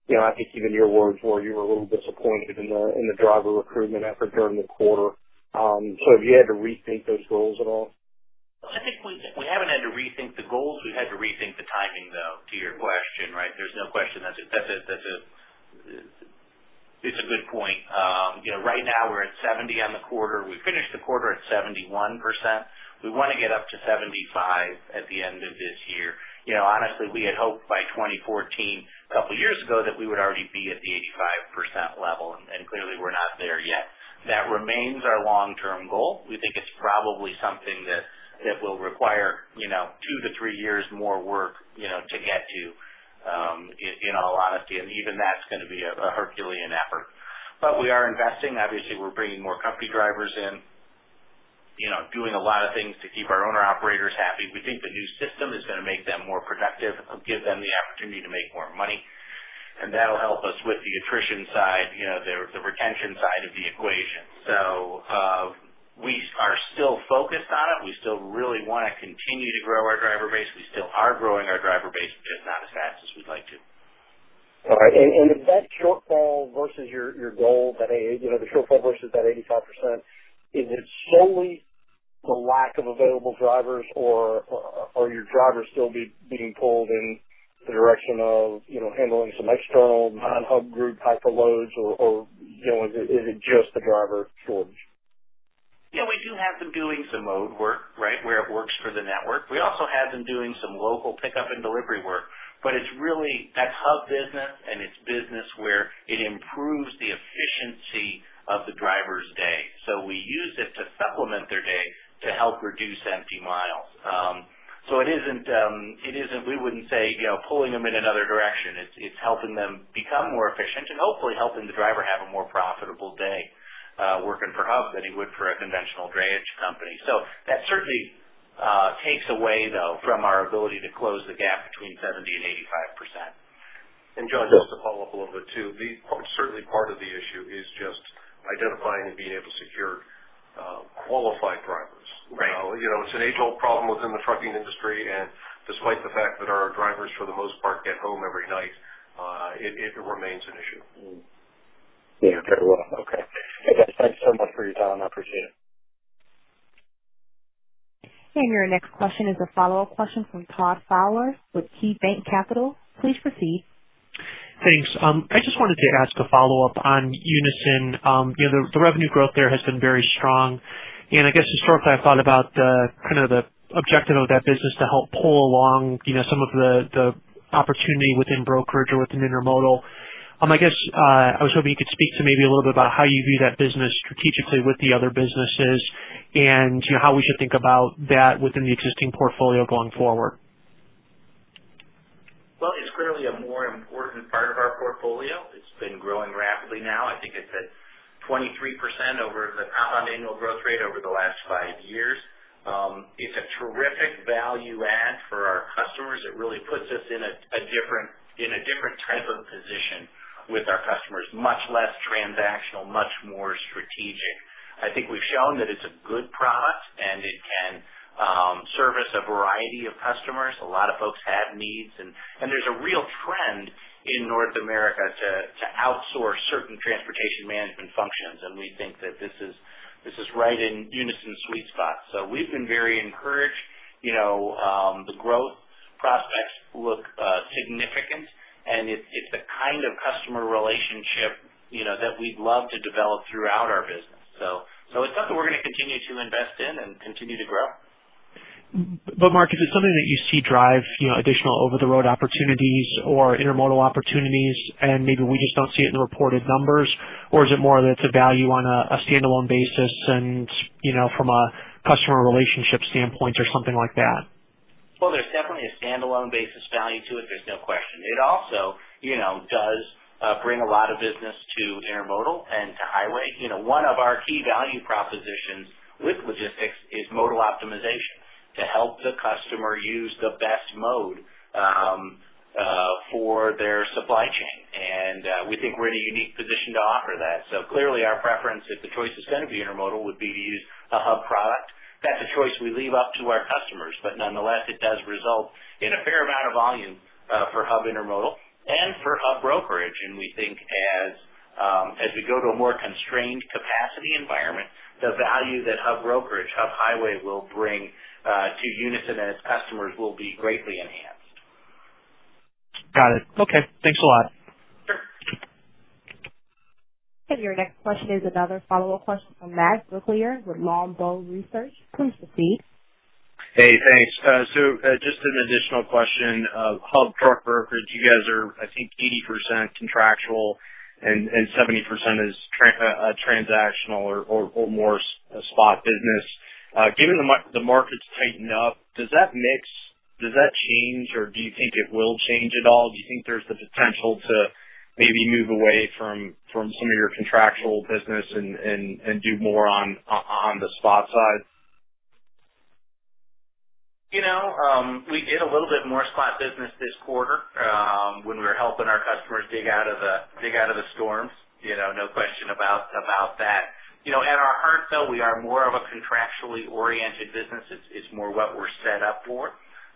you know, I think even your words were you were a little disappointed in the driver recruitment effort during the quarter. So have you had to rethink those goals at all? I think we haven't had to rethink the goals. We've had to rethink the timing, though, to your question, right? There's no question. That's a good point. You know, right now, we're at 70% on the quarter. We finished the quarter at 71%. We want to get up to 75% at the end of this year. You know, honestly, we had hoped by 2014, a couple of years ago, that we would already be at the 85% level, and clearly, we're not there yet. That remains our long-term goal. We think it's probably something that will require, you know, 2-3 years more work, you know, to get to. In all honesty, and even that's gonna be a herculean effort. But we are investing. Obviously, we're bringing more company drivers in, you know, doing a lot of things to keep our owner-operators happy. We think the new system is gonna make them more productive, it'll give them the opportunity to make more money, and that'll help us with the attrition side, you know, the, the retention side of the equation. So, we are still focused on it. We still really want to continue to grow our driver base. We still are growing our driver base, but just not as fast as we'd like to. All right. And is that shortfall versus your goal that, you know, the shortfall versus that 85%, is it solely the lack of available drivers or are your drivers still being pulled in the direction of, you know, handling some external non-Hub Group type of loads or, you know, is it just the driver shortage? Yeah, we do have them doing some mode work, right, where it works for the network. We also have them doing some local pickup and delivery work, but it's really that hub business and it's business where it improves the efficiency of the driver's day. So we use it to supplement their day to help reduce empty miles. So it isn't, we wouldn't say, you know, pulling them in another direction. It's helping them become more efficient and hopefully helping the driver have a more profitable day working for Hub than he would for a conventional drayage company. So that certainly takes away, though, from our ability to close the gap between 70% and 85%. John, just to follow up a little bit too, that's certainly part of the issue, just identifying and being able to secure qualified drivers. Right. You know, it's an age-old problem within the trucking industry, and despite the fact that our drivers, for the most part, get home every night, it remains an issue. Yeah. Very well. Okay. Hey, guys, thanks so much for your time. I appreciate it. Your next question is a follow-up question from Todd Fowler with KeyBanc Capital. Please proceed. Thanks. I just wanted to ask a follow-up on Unyson. You know, the revenue growth there has been very strong, and I guess historically, I've thought about the kind of the objective of that business to help pull along, you know, some of the opportunity within brokerage or within intermodal. I guess I was hoping you could speak to maybe a little bit about how you view that business strategically with the other businesses, and, you know, how we should think about that within the existing portfolio going forward. Well, it's clearly a more important part of our portfolio. It's been growing rapidly now. I think it's at 23% over the compound annual growth rate over the last five years. It's a terrific value add for our customers. It really puts us in a different type of position with our customers. Much less transactional, much more strategic. I think we've shown that it's a good product and it can service a variety of customers. A lot of folks have needs, and there's a real trend in North America to outsource certain transportation management functions. And we think that this is right in Unyson's sweet spot. So we've been very encouraged, you know, the growth prospects look significant, and it's the kind of customer relationship, you know, that we'd love to develop throughout our business. So it's something we're gonna continue to invest in and continue to grow. But Mark, is it something that you see drive, you know, additional over-the-road opportunities or intermodal opportunities, and maybe we just don't see it in the reported numbers? Or is it more that it's a value on a standalone basis and, you know, from a customer relationship standpoint or something like that? Well, there's definitely a standalone basis value to it. There's no question. It also, you know, does bring a lot of business to intermodal and to highway. You know, one of our key value propositions with logistics is modal optimization, to help the customer use the best mode, for their supply chain. And we think we're in a unique position to offer that. So clearly, our preference, if the choice is gonna be intermodal, would be to use a Hub product. That's a choice we leave up to our customers, but nonetheless, it does result in a fair amount of volume, for Hub Intermodal and for Hub Brokerage. And we think as, as we go to a more constrained capacity environment, the value that Hub Brokerage, Hub Highway, will bring, to Unyson and its customers will be greatly enhanced. Got it. Okay, thanks a lot. Sure. Your next question is another follow-up question from Matt Brooklier with Longbow Research. Please proceed. Hey, thanks. So, just an additional question. Hub truck brokerage, you guys are, I think, 80% contractual and 70% is transactional or more spot business. Given the market's tightened up, does that mix, does that change, or do you think it will change at all? Do you think there's the potential to maybe move away from some of your contractual business and do more on the spot side? You know, we did a little bit more spot business this quarter, when we were helping our customers dig out of the, dig out of the storms. You know, no question about, about that. You know, at our heart, though, we are more of a contractually oriented business. It's, it's more what we're set up for.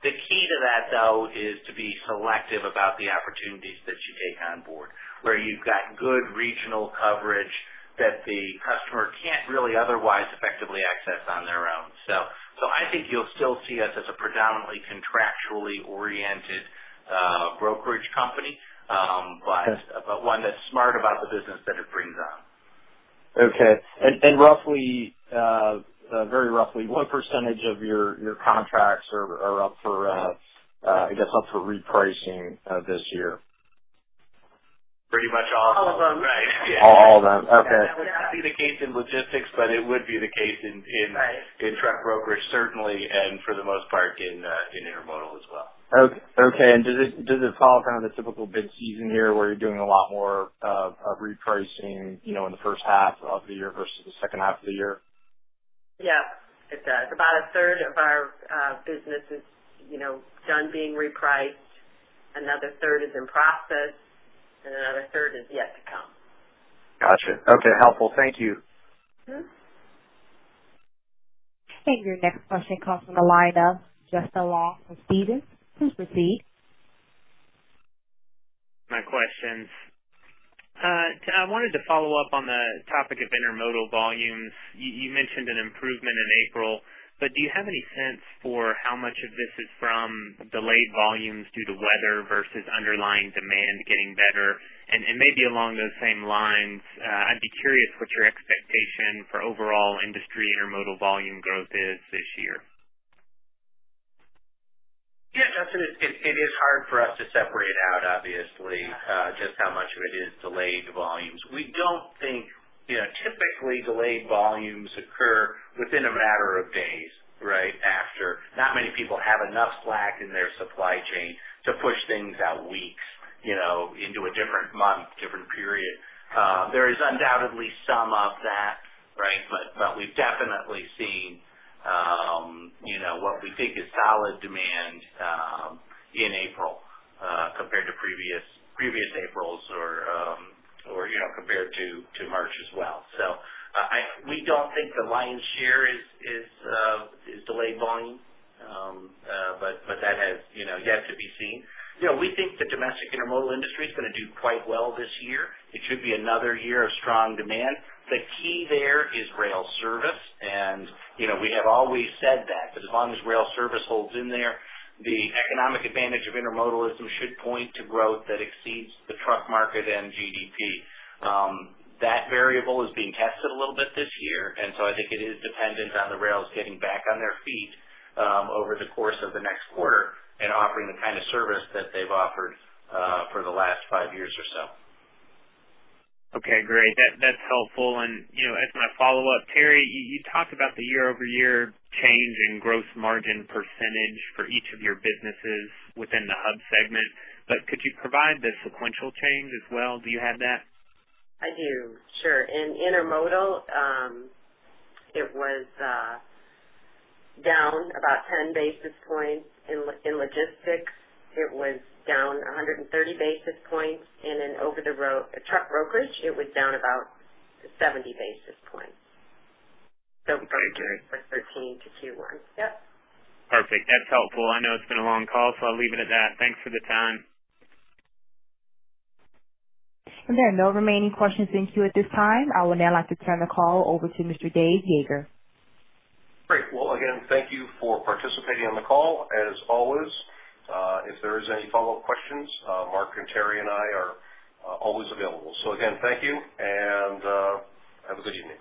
The key to that, though, is to be selective about the opportunities that you take on board, where you've got good regional coverage that the customer can't really otherwise effectively access on their own. So, so I think you'll still see us as a predominantly contractually oriented brokerage company, but one that's smart about the business that it brings on. Okay. And roughly, very roughly, what percentage of your contracts are up for, I guess, up for repricing this year? Pretty much all of them. All of them. Right. All of them. Okay. That would not be the case in logistics, but it would be the case in truck brokerage, certainly, and for the most part, in intermodal as well. Okay, and does it follow kind of the typical bid season here, where you're doing a lot more of repricing, you know, in the first half of the year versus the second half of the year? Yeah, it does. About a third of our business is, you know, done being repriced, another third is in process, and another third is yet to come. Gotcha. Okay, helpful. Thank you. Mm-hmm. Your next question comes from the line of Justin Long from Stephens. Please proceed. My questions. I wanted to follow up on the topic of intermodal volumes. You mentioned an improvement in April, but do you have any sense for how much of this is from delayed volumes due to weather versus underlying demand getting better? And maybe along those same lines, I'd be curious what your expectation for overall industry intermodal volume growth is this year. Yeah, Justin, it is hard for us to separate out, obviously, just how much of it is delayed volumes. We don't think, you know, typically delayed volumes occur within a matter of days, right? After, not many people have enough slack in their supply chain to push things out weeks, you know, into a different month, different period. There is undoubtedly some of that, right? But we've definitely seen, you know, what we think is solid demand in April, compared to previous Aprils or, you know, compared to March as well. So we don't think the lion's share is delayed volumes. But that has, you know, yet to be seen. You know, we think the domestic intermodal industry is going to do quite well this year. It should be another year of strong demand. The key there is rail service, and, you know, we have always said that as long as rail service holds in there, the economic advantage of intermodalism should point to growth that exceeds the truck market and GDP. That variable is being tested a little bit this year, and so I think it is dependent on the rails getting back on their feet, over the course of the next quarter and offering the kind of service that they've offered, for the last five years or so. Okay, great. That, that's helpful. And, you know, as my follow-up, Terri, you, you talked about the year-over-year change in gross margin percentage for each of your businesses within the Hub segment, but could you provide the sequential change as well? Do you have that? I do. Sure. In intermodal, it was down about 10 basis points. In logistics, it was down 130 basis points. And in over the road truck brokerage, it was down about 70 basis points. Okay. So 13 to 21. Yep. Perfect. That's helpful. I know it's been a long call, so I'll leave it at that. Thanks for the time. There are no remaining questions in queue at this time. I would now like to turn the call over to Mr. Dave Yeager. Great. Well, again, thank you for participating on the call. As always, if there is any follow-up questions, Mark and Terri and I are always available. So again, thank you and have a good evening.